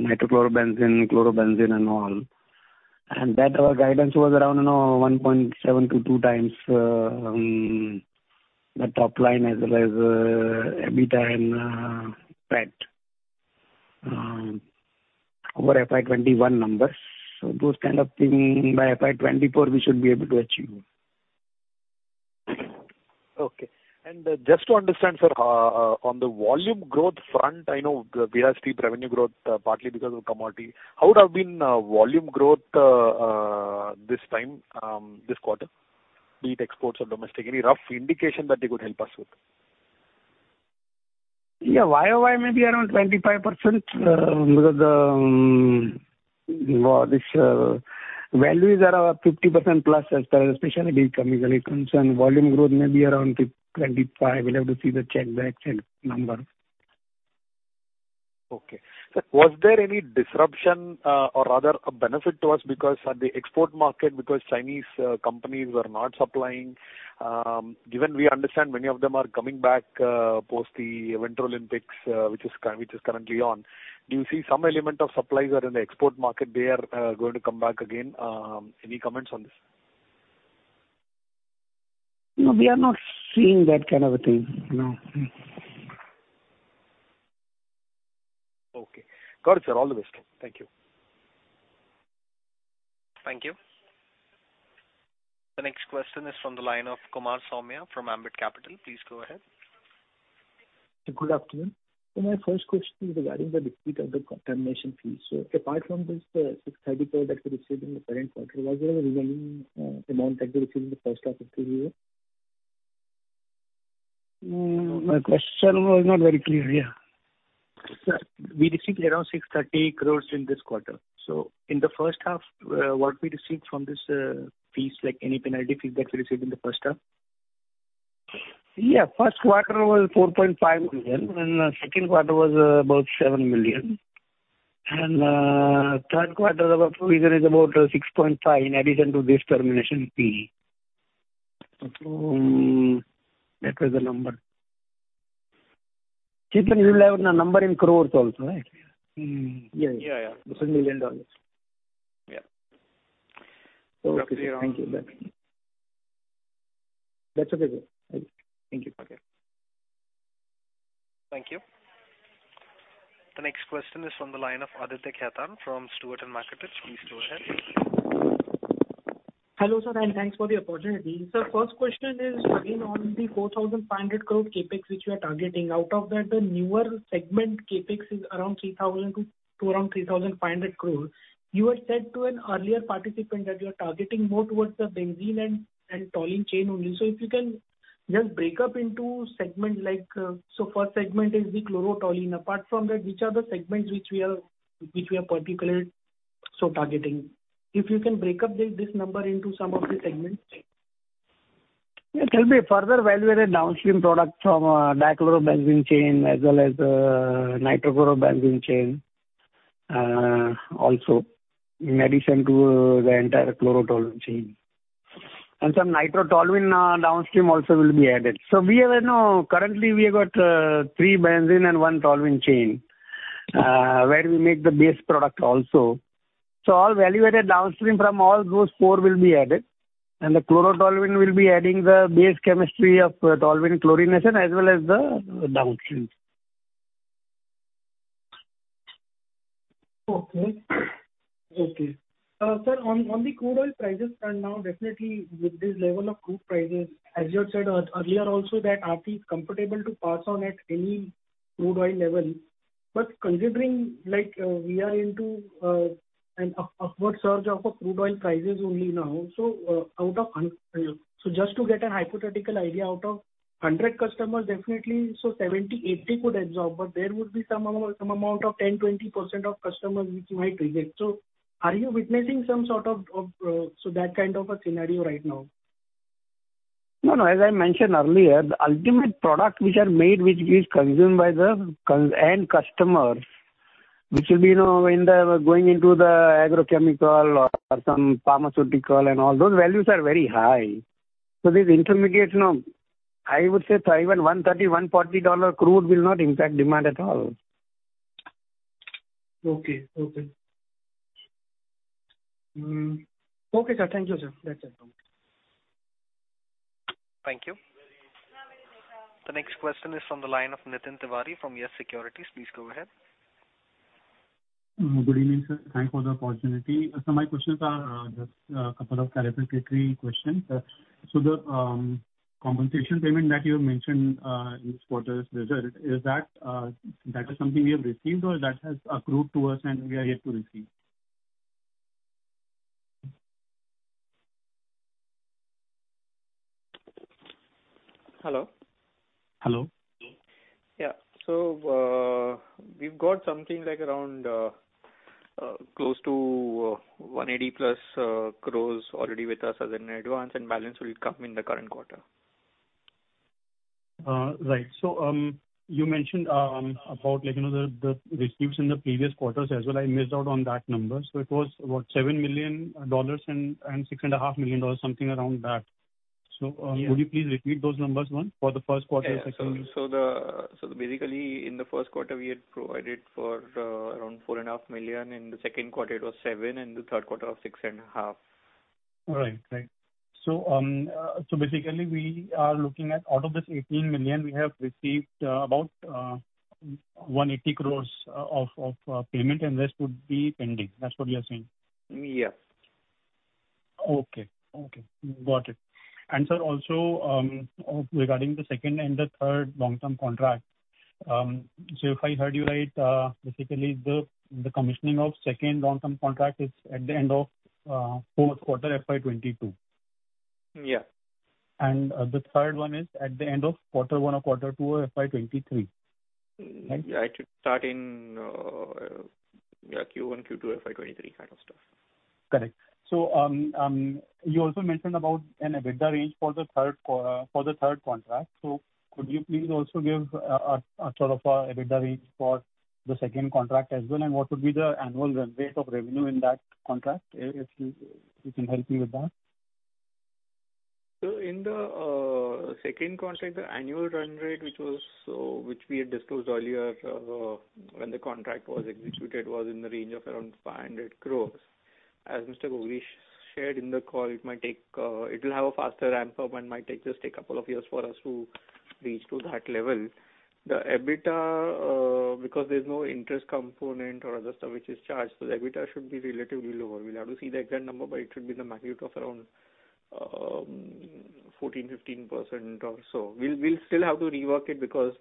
Nitro Chloro Benzenes, chlorobenzene and all. That our guidance was around, you know, 1.7-2x the top line as well as EBITDA and PAT over FY 2021 numbers. Those kind of thing by FY 2024 we should be able to achieve. Okay. Just to understand, sir, on the volume growth front, I know we have steep revenue growth partly because of commodity. How would have been volume growth this time this quarter? Be it exports or domestically. Any rough indication that you could help us with? Yeah. YoY may be around 25%, because this value is around 50%+ as per specialty chemicals concerned. Volume growth may be around 25%. We'll have to see the exact number. Okay. Sir, was there any disruption, or rather a benefit to us because at the export market, because Chinese companies were not supplying, given we understand many of them are coming back, post the Winter Olympics, which is currently on. Do you see some element of suppliers are in the export market, they are going to come back again? Any comments on this? No, we are not seeing that kind of a thing. No. Okay. Got it, sir. All the best. Thank you. Thank you. The next question is from the line of Kumar Saumya from Ambit Capital. Please go ahead. Good afternoon. My first question is regarding the receipt of the termination fees. Apart from this, 630 crore that you received in the current quarter, was there a remaining amount that you received in the first half of the year? My question was not very clear. Yeah. Sir, we received around 630 crores in this quarter. In the H1, what we received from this, fees, like any penalty fee that we received in the H1? First quarter was 4.5 million, and second quarter was about 7 million. Third quarter the provision is about 6.5 million in addition to this termination fee. That was the number. Chetan, you will have the number in crores also, right? Yeah. Yeah, yeah. This is million dollars. Yeah. Okay. Thank you. Bye. That's okay, sir. Thank you. Thank you. The next question is from the line of Aditya Khare from Stewart & Mackertich. Please go ahead. Hello, sir, and thanks for the opportunity. Sir, first question is again on the 4,500 crore CapEx which you are targeting. Out of that, the newer segment CapEx is around 3,000-3,500 crores. You had said to an earlier participant that you are targeting more towards the benzene and toluene chain only. If you can just break up into segment like, so first segment is the chlorotoluene. Apart from that, which are the segments which we are particularly so targeting? If you can break up this number into some of the segments. It will be further value-added downstream products from dichlorobenzene chain as well as, Nitro Chloro Benzene chain. Also in addition to the entire chlorotoluene chain. Some nitrotoluene downstream also will be added. We have, you know, currently we have got, three benzene and one toluene chain, where we make the base product also. All value-added downstream from all those four will be added. The chlorotoluene will be adding the base chemistry of toluene chlorination as well as the downstream. Okay. Sir, on the crude oil prices front now, definitely with this level of crude prices, as you had said earlier also that RP is comfortable to pass on at any crude oil level. Considering like, we are into an upward surge of crude oil prices only now, just to get a hypothetical idea, out of 100 customers, definitely 70, 80 could absorb, but there would be some amount of 10, 20% of customers which you might reject. Are you witnessing some sort of that kind of a scenario right now? No, no. As I mentioned earlier, the ultimate product which are made, which is consumed by the end customer. Which will be, you know, in the going into the agrochemical or some pharmaceutical and all. Those values are very high. These intermediates, no, I would say even $130-$140 dollar crude will not impact demand at all. Okay, sir. Thank you, sir. That's it. Thank you. The next question is from the line of Nitin Tiwari from Yes Securities. Please go ahead. Good evening, sir. Thank you for the opportunity. My questions are, just, couple of clarificatory questions. The compensation payment that you mentioned, in this quarter's result, is that something we have received or that has accrued to us and we are yet to receive? Hello? Hello. We've got something like around close to 180+ crore already with us as an advance and balance will come in the current quarter. Right. You mentioned about like, you know, the receipts in the previous quarters as well. I missed out on that number. It was what? $7 million and $6.5 million, something around that. Yeah. Could you please repeat those numbers once for the first quarter, second. Yeah. Basically in the first quarter we had provided for around 4.5 Million. In the second quarter it was 7 million, and the third quarter was 6.5 Million. All right. Thank you. Basically we are looking at out of this 18 million we have received about 180 crores of payment and rest would be pending. That's what you are saying? Yes. Okay. Okay. Got it. Sir also, regarding the second and the third long-term contract, so if I heard you right, basically the commissioning of second long-term contract is at the end of fourth quarter FY 2022. Yeah. The third one is at the end of quarter one or quarter two of FY 2023. Right? Yeah, it should start in Q1, Q2 FY 2023 kind of stuff. Correct. You also mentioned about an EBITDA range for the third contract. Could you please also give a sort of a EBITDA range for the second contract as well, and what would be the annual run rate of revenue in that contract if you can help me with that? In the second contract, the annual run rate which we had disclosed earlier when the contract was executed was in the range of around 500 crore. As Mr. Gogri shared in the call, it will have a faster ramp up and might take just a couple of years for us to reach to that level. The EBITDA, because there's no interest component or other stuff which is charged, so the EBITDA should be relatively lower. We'll have to see the exact number, but it should be in the magnitude of around 14%-15% or so. We'll still have to rework it because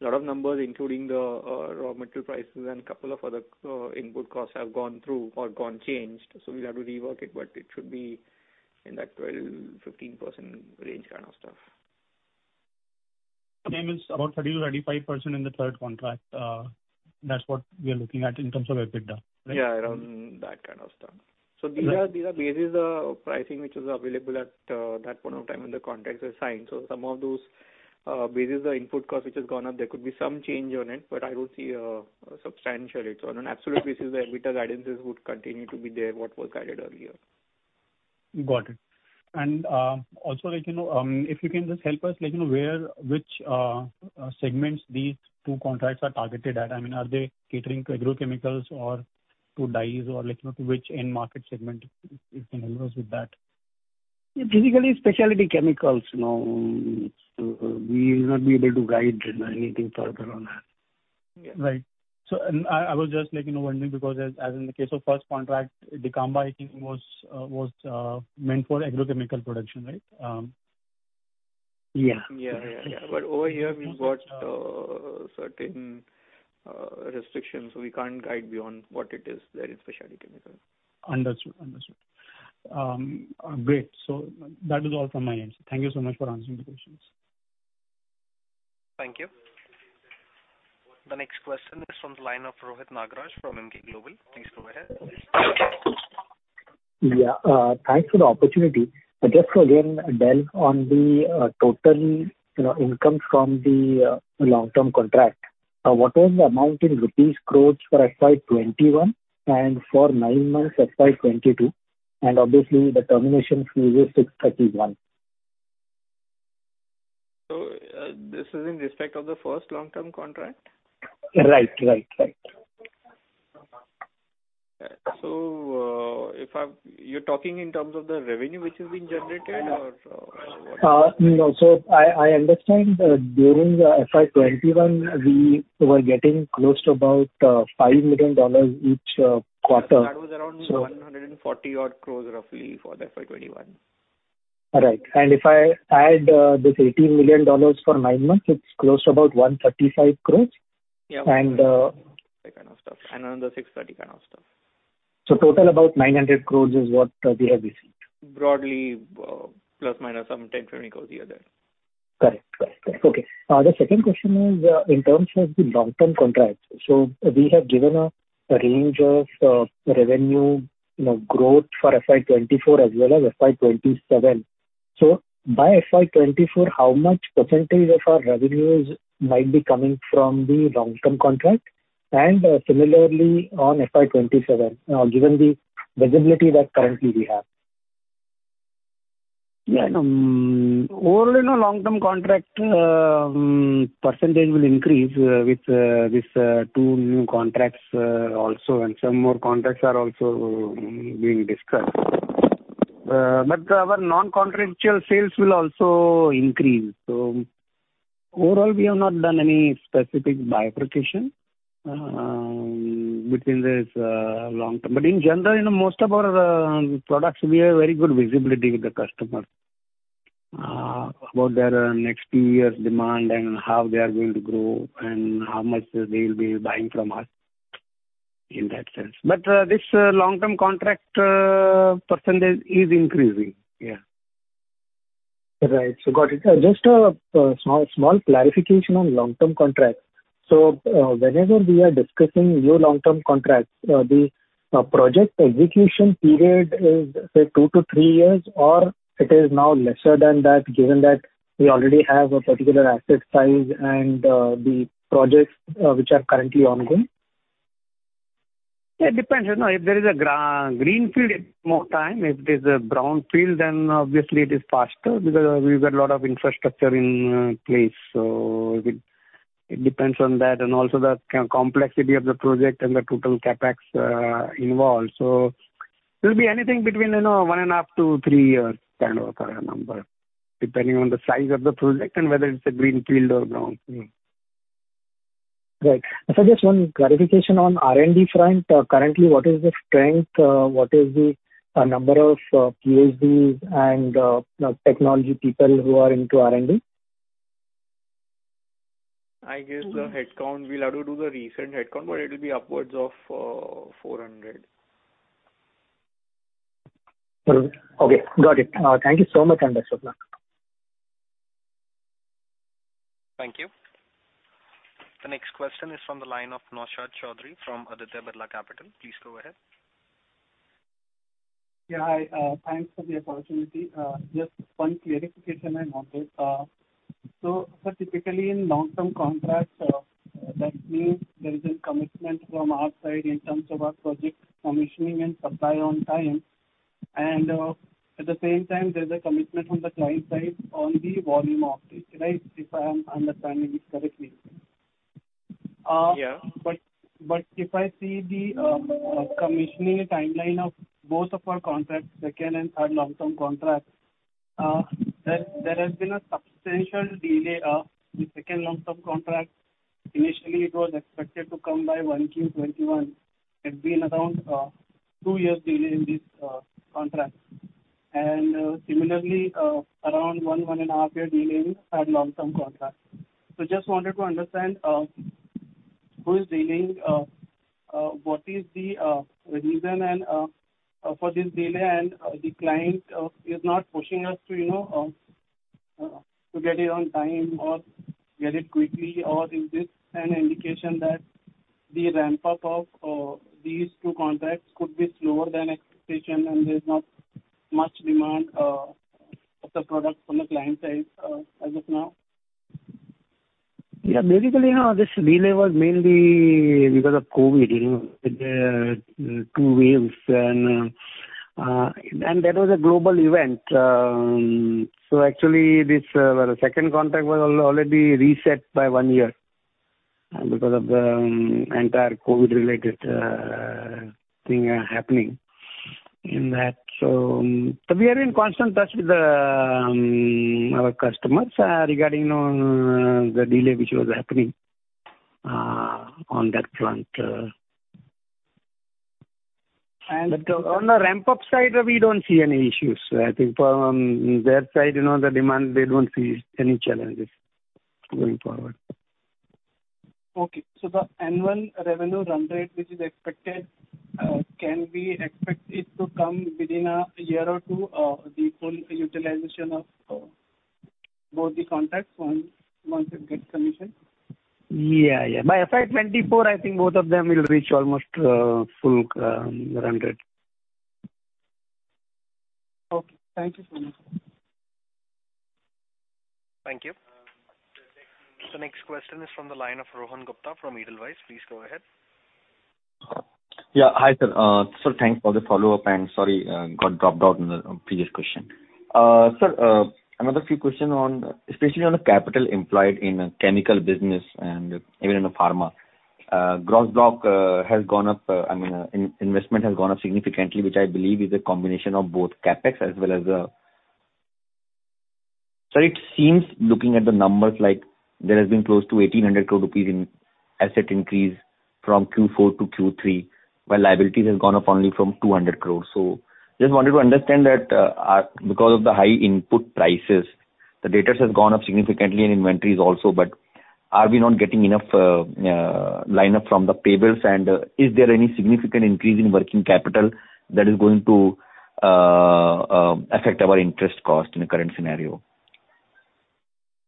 a lot of numbers including the raw material prices and couple of other input costs have gone through or gone changed, so we'll have to rework it but it should be in that 12%-15% range kind of stuff. Okay. That means about 30%-35% in the third quarter, that's what we are looking at in terms of EBITDA, right? Yeah, around that kind of stuff. Okay. These are based on pricing which was available at that point of time when the contracts were signed. Some of those, based on the input cost which has gone up there could be some change on it, but I would see a substantial hit. On an absolute basis the EBITDA guidances would continue to be there, what was guided earlier. Got it. Also, like, you know, if you can just help us let him know which segments these two contracts are targeted at. I mean, are they catering to agrochemicals or to dyes or, like, you know, which end market segment if you can help us with that. Yeah. Basically, specialty chemicals, you know. We will not be able to guide anything further on that. Right. I was just like, you know, wondering because as in the case of first contract, Dicamba I think was meant for agrochemical production, right? Yeah, over here we've got certain restrictions we can't guide beyond what it is there in specialty chemicals. Understood. Great. That is all from my end. Thank you so much for answering the questions. Thank you. The next question is from the line of Rohit Nagraj from Emkay Global. Please go ahead. Yeah. Thanks for the opportunity. Just to again delve on the total, you know, incomes from the long-term contract. What was the amount in rupees crores for FY 2021 and for nine months FY 2022 and obviously the termination fees is 631 crore. This is in respect of the first long-term contract? Right. You're talking in terms of the revenue which is being generated or what? No. I understand during the FY 2021 we were getting close to about $5 million each quarter. That was around 140-odd crores roughly for the FY 2021. All right. If I add this $18 million for nine months it's close to about 135 crores. Yeah. And, uh. That kind of stuff and another 630 kind of stuff. Total about 900 crore is what we have received. Broadly, ± some 10-20 crore here or there. Correct. Okay. The second question is in terms of the long-term contracts. We have given a range of revenue, you know, growth for FY 2024 as well as FY 2027. By FY 2024, how much percentage of our revenues might be coming from the long-term contract? And similarly on FY 2027, given the visibility that currently we have. Yeah. Overall, you know, long-term contract percentage will increase with these two new contracts also, and some more contracts are also being discussed. Our non-contractual sales will also increase. Overall, we have not done any specific bifurcation between this long-term. In general, you know, most of our products, we have very good visibility with the customer about their next two years' demand and how they are going to grow and how much they'll be buying from us in that sense. This long-term contract percentage is increasing. Yeah. Right. Got it. Just a small clarification on long-term contracts. Whenever we are discussing your long-term contracts, the project execution period is, say, two to three years, or it is now lesser than that, given that we already have a particular asset size and the projects which are currently ongoing. It depends. You know, if there is a greenfield, more time. If it is a brownfield, then obviously it is faster because we've got a lot of infrastructure in place. It depends on that. Also the complexity of the project and the total CapEx involved. It'll be anything between, you know, one and half to three years kind of a number, depending on the size of the project and whether it's a greenfield or brownfield. Right. Sir, just one clarification on R&D front. Currently, what is the strength? What is the number of PhDs and, you know, technology people who are into R&D? I guess the headcount. We'll have to do the recent headcount, but it'll be upwards of 400. Okay. Got it. Thank you so much, and best of luck. Thank you. The next question is from the line of Naushad Chaudhary from Aditya Birla Capital. Please go ahead. Yeah, hi. Thanks for the opportunity. Just one clarification I wanted. So, sir, typically in long-term contracts, that means there is a commitment from our side in terms of our project commissioning and supply on time. At the same time, there's a commitment from the client side on the volume of it, right? If I am understanding this correctly. Yeah. If I see the commissioning timeline of both of our contracts, second and third long-term contract, there has been a substantial delay of the second long-term contract. Initially, it was expected to come by 1Q 2021. It's been around two years delay in this contract. Similarly, around one and half year delay in third long-term contract. Just wanted to understand who is dealing, what is the reason and for this delay. The client is not pushing us to, you know, to get it on time or get it quickly, or is this an indication that the ramp up of these two contracts could be slower than expected and there's not much demand of the product from the client side as of now? Yeah. Basically, this delay was mainly because of COVID. You know, two waves and that was a global event. Actually this, well, the second contract was already reset by one year, because of the entire COVID related thing happening in that. We are in constant touch with our customers regarding, you know, the delay which was happening on that front. On the ramp-up side, we don't see any issues. I think from their side, you know, the demand, they don't see any challenges going forward. The annual revenue run rate which is expected, can we expect it to come within a year or two, the full utilization of both the contracts once you get commission? Yeah, yeah. By FY 2024, I think both of them will reach almost full run rate. Okay. Thank you so much. Thank you. The next question is from the line of Rohan Gupta from Edelweiss. Please go ahead. Yeah. Hi, sir. Sir, thanks for the follow-up, and sorry, got dropped out in the previous question. Sir, another few question on, especially on the capital employed in chemical business and even in the Pharma. Gross block has gone up, I mean, investment has gone up significantly, which I believe is a combination of both CapEx as well as. Sir, it seems looking at the numbers like there has been close to 1,800 crore rupees in asset increase from Q4-Q3, while liabilities has gone up only from 200 crore. Just wanted to understand that, because of the high input prices, the debtors has gone up significantly in inventories also, but are we not getting enough lineup from the payables? Is there any significant increase in working capital that is going to affect our interest cost in the current scenario?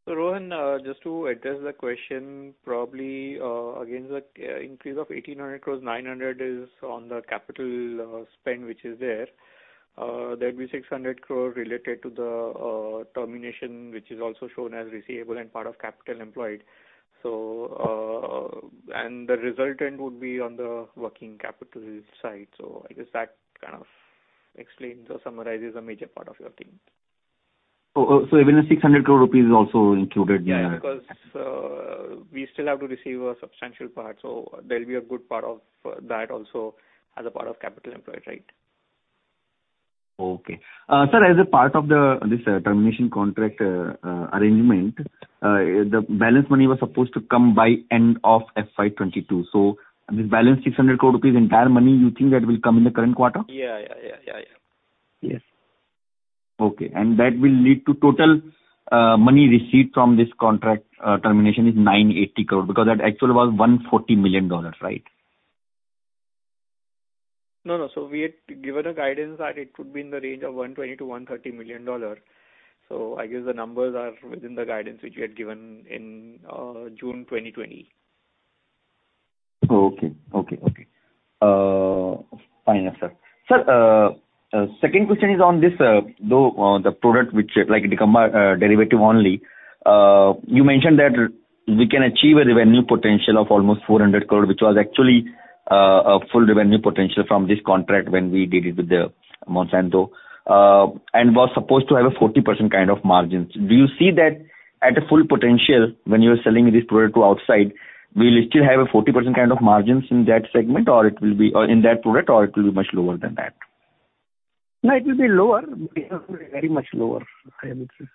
Rohan, just to address the question probably, against the increase of 1,800 crores, 900 is on the capital spend which is there. There'd be 600 crore related to the termination, which is also shown as receivable and part of capital employed. The resultant would be on the working capital side. I guess that kind of explains or summarizes a major part of your team. Even the 600 crore rupees is also included there. Yeah, because we still have to receive a substantial part, so there'll be a good part of that also as a part of capital employed, right? Sir, as a part of this termination contract arrangement, the balance money was supposed to come by end of FY 2022. This balance 600 crore rupees entire money, you think that will come in the current quarter? Yeah. Yes. Okay. That will lead to total money received from this contract termination is 980 crore because that actually was $140 million, right? No, no. We had given a guidance that it would be in the range of $120 million-$130 million. I guess the numbers are within the guidance which we had given in June 2020. Okay. Fine, sir. Sir, second question is on this, though, the product which like Dicamba, derivative only. You mentioned that we can achieve a revenue potential of almost 400 crore, which was actually, a full revenue potential from this contract when we did it with the Monsanto. And was supposed to have a 40% kind of margins. Do you see that at a full potential when you are selling this product to outside, will you still have a 40% kind of margins in that segment, or it will be, or in that product, or it will be much lower than that? No, it will be lower. Very much lower, I would say.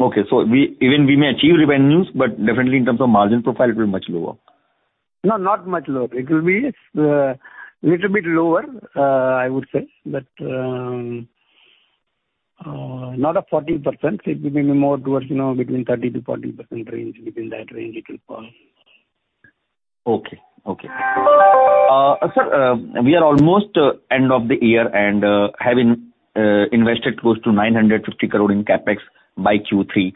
We may achieve revenues, but definitely in terms of margin profile it will be much lower. No, not much lower. It will be little bit lower, I would say. Not a 40%. It will be more towards, you know, between 30%-40% range. Between that range it will fall. Okay, sir, we are almost at the end of the year and having invested close to 950 crore in CapEx by Q3.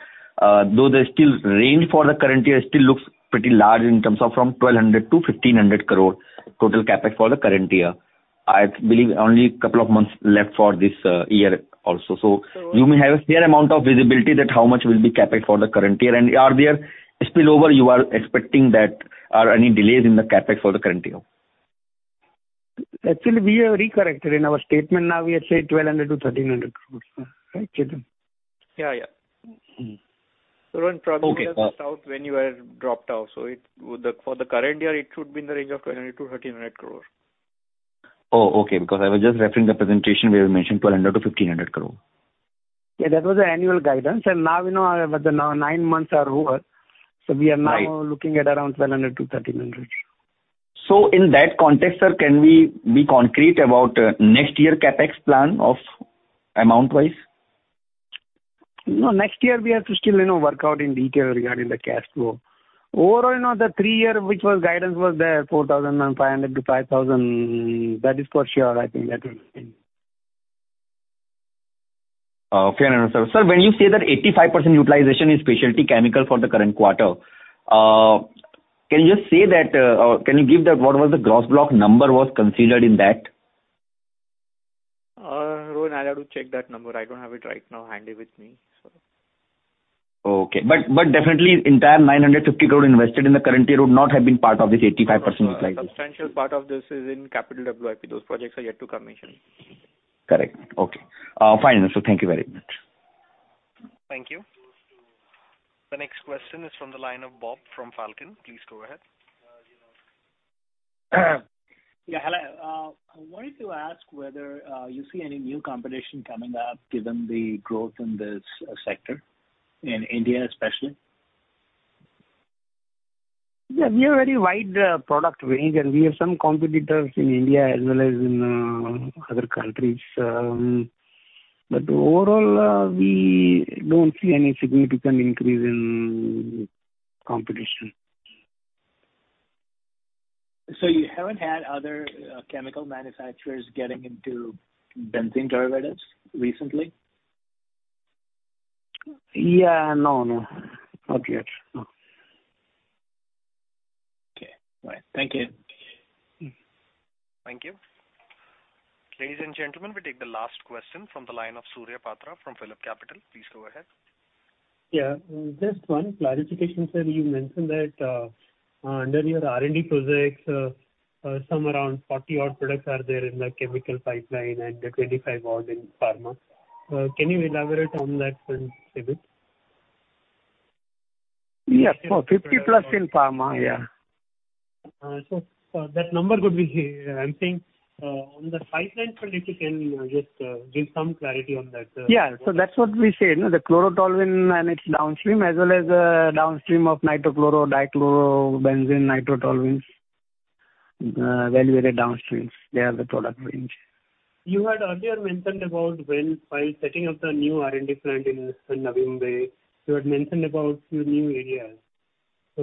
Though the range for the current year still looks pretty large in terms of 1,200-1,500 crore total CapEx for the current year. I believe only a couple of months left for this year also. You may have a fair amount of visibility on how much CapEx will be for the current year. Are there spillovers you are expecting or any delays in the CapEx for the current year? Actually, we have recorrected in our statement. Now we have said 1,200 crores-1,300 crores. Right, Chetan? Yeah, yeah. Mm-hmm. Rohan, probably we have missed out when you had dropped out. For the current year it should be in the range of 1,200 crore-1,300 crore. Oh, okay. Because I was just referring the presentation where you mentioned 1,200 crore-1,500 crore. Yeah, that was the annual guidance. Now we know that the nine months are over. Right. We are now looking at around 1,200-1,300. In that context, sir, can we be concrete about next year CapEx plan of amount-wise? No, next year we have to still, you know, work out in detail regarding the cash flow. Overall, you know, the three-year which was guidance was there, 4,500-5,000. That is for sure. I think that will stand. Fair enough, sir. Sir, when you say that 85% utilization is specialty chemical for the current quarter, can you just say that, or can you give that what was the gross block number was considered in that? Rohan, I'll have to check that number. I don't have it right now handy with me, so. Okay. Definitely entire 950 crore invested in the current year would not have been part of this 85% utilization. Substantial part of this is in capital WIP. Those projects are yet to commission. Correct. Okay. Fine then, sir. Thank you very much. Thank you. The next question is from the line of Bob from Falcon. Please go ahead. Yeah. Hello. I wanted to ask whether you see any new competition coming up given the growth in this sector, in India especially? Yeah. We have very wide product range, and we have some competitors in India as well as in other countries. Overall, we don't see any significant increase in competition. You haven't had other chemical manufacturers getting into benzene derivatives recently? Yeah. No, no. Not yet. No. Okay. All right. Thank you. Mm-hmm. Thank you. Ladies and gentlemen, we take the last question from the line of Surya Patra from PhillipCapital. Please go ahead. Yeah. Just one clarification, sir. You mentioned that, under your R&D projects, some around 40 odd products are there in the chemical pipeline and 25 odd in Pharma. Can you elaborate on that a bit? Yes. 50+ in pharma. Yeah. I'm saying on the pipeline product, you can just give some clarity on that. Yeah. That's what we say. You know, the chlorotoluene and its downstream as well as downstream of Nitro Chloro Benzenes, dichlorobenzene, nitrotoluenes, very varied downstreams. They are the product range. You had earlier mentioned about while setting up the new R&D plant in Navi Mumbai, few new areas.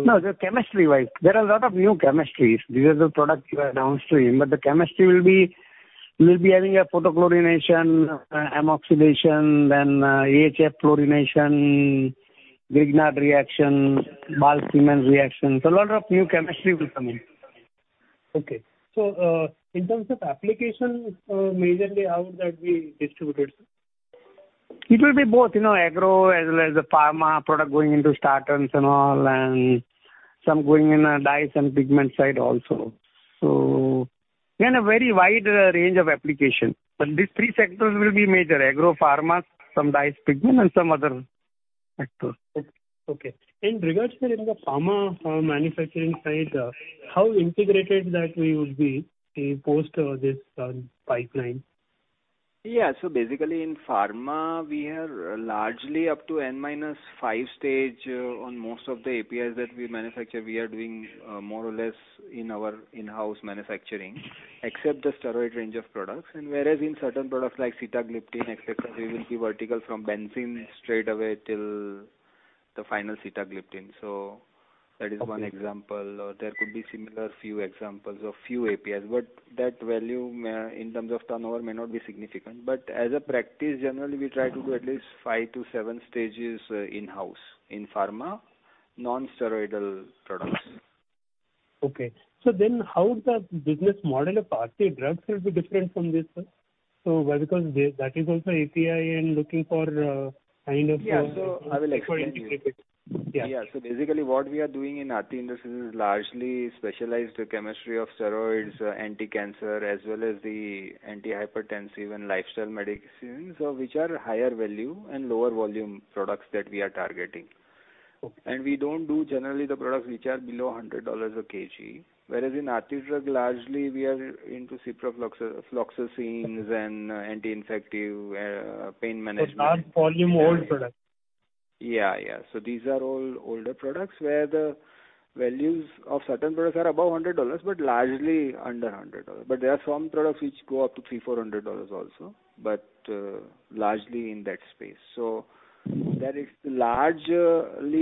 No, the chemistry wise. There are a lot of new chemistries. These are the products you have downstream, but the chemistry will be having a photochlorination, ammoxidation, then, AHF chlorination, Grignard reaction, Stille reaction. A lot of new chemistry will come in. In terms of application, majorly, how would that be distributed, sir? It will be both, you know, agro as well as the pharma product going into starters and all, and some going in the dyes and pigment side also. Again, a very wide, range of application. These three sectors will be major, agro, pharma, some dyes, pigment and some other sectors. Okay. In regards to the Pharma manufacturing side, how integrated that we would be post this pipeline? Yeah. Basically in pharma we are largely up to N-5 stage on most of the APIs that we manufacture. We are doing more or less in our in-house manufacturing, except the steroid range of products. Whereas in certain products like sitagliptin, et cetera, we will be vertical from benzene straight away till the final sitagliptin. That is one example. There could be similar few examples of few APIs, but that value may, in terms of turnover may not be significant. As a practice, generally we try to do at least five to sevem stages in-house in pharma, non-steroidal products. How the business model of Aarti Drugs will be different from this, sir? Because that is also API and looking for, kind of, Yeah. I will explain to you. for integrated. Yeah. Basically what we are doing in Aarti Industries is largely specialized chemistry of steroids, anticancer, as well as the antihypertensive and lifestyle medicines, which are higher value and lower volume products that we are targeting. Okay. We don't do generally the products which are below $100/kg. Whereas in Aarti Drugs largely we are into ciprofloxacin and anti-infective, pain management. Large volume, old products. Yeah, yeah. These are all older products where the values of certain products are above $100 but largely under $100. There are some products which go up to $300, $400 also, but largely in that space. That is largely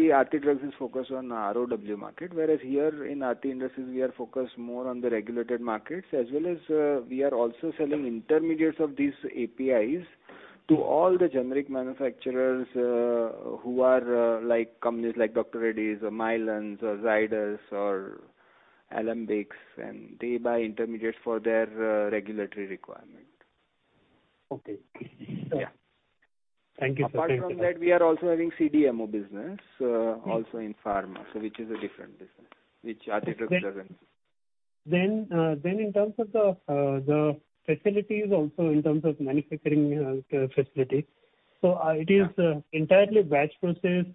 Aarti Drugs is focused on ROW market, whereas here in Aarti Industries we are focused more on the regulated markets as well as, we are also selling intermediates of these APIs to all the generic manufacturers, who are, like companies like Dr. Reddy's or Mylan or Zydus or Alembic, and they buy intermediates for their regulatory requirement. Okay. Yeah. Thank you, sir. Apart from that, we are also having CDMO business, also in pharma. Which is a different business, which Aarti Drugs doesn't. In terms of the facilities also in terms of manufacturing facility, it is entirely batch processed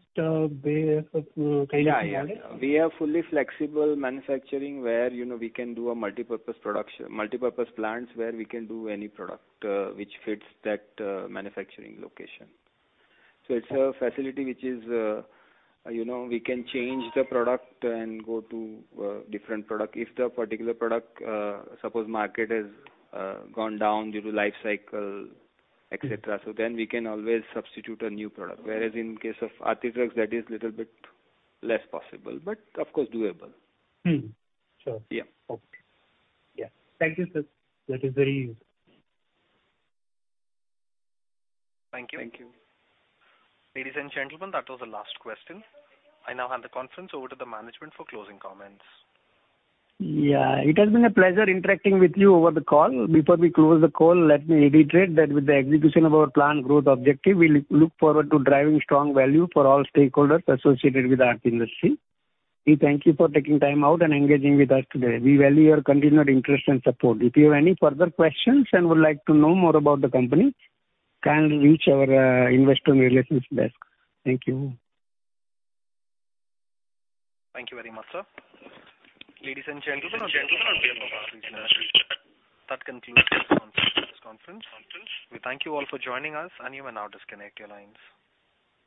based kind of model? Yeah. We are fully flexible manufacturing where, you know, we can do a multipurpose production, multipurpose plants, where we can do any product, which fits that, manufacturing location. It's a facility which is, you know, we can change the product and go to, different product. If the particular product, suppose market has, gone down due to life cycle, et cetera. We can always substitute a new product. Whereas in case of Aarti Drugs that is little bit less possible. Of course doable. Mm-hmm. Sure. Yeah. Okay. Yeah. Thank you, sir. That is very useful. Thank you. Ladies and gentlemen, that was the last question. I now hand the conference over to the management for closing comments. Yeah. It has been a pleasure interacting with you over the call. Before we close the call, let me reiterate that with the execution of our planned growth objective, we look forward to driving strong value for all stakeholders associated with Aarti Industries. We thank you for taking time out and engaging with us today. We value your continued interest and support. If you have any further questions and would like to know more about the company, kindly reach our investor relations desk. Thank you. Thank you very much, sir. Ladies and gentlemen, that concludes this conference. We thank you all for joining us and you may now disconnect your lines.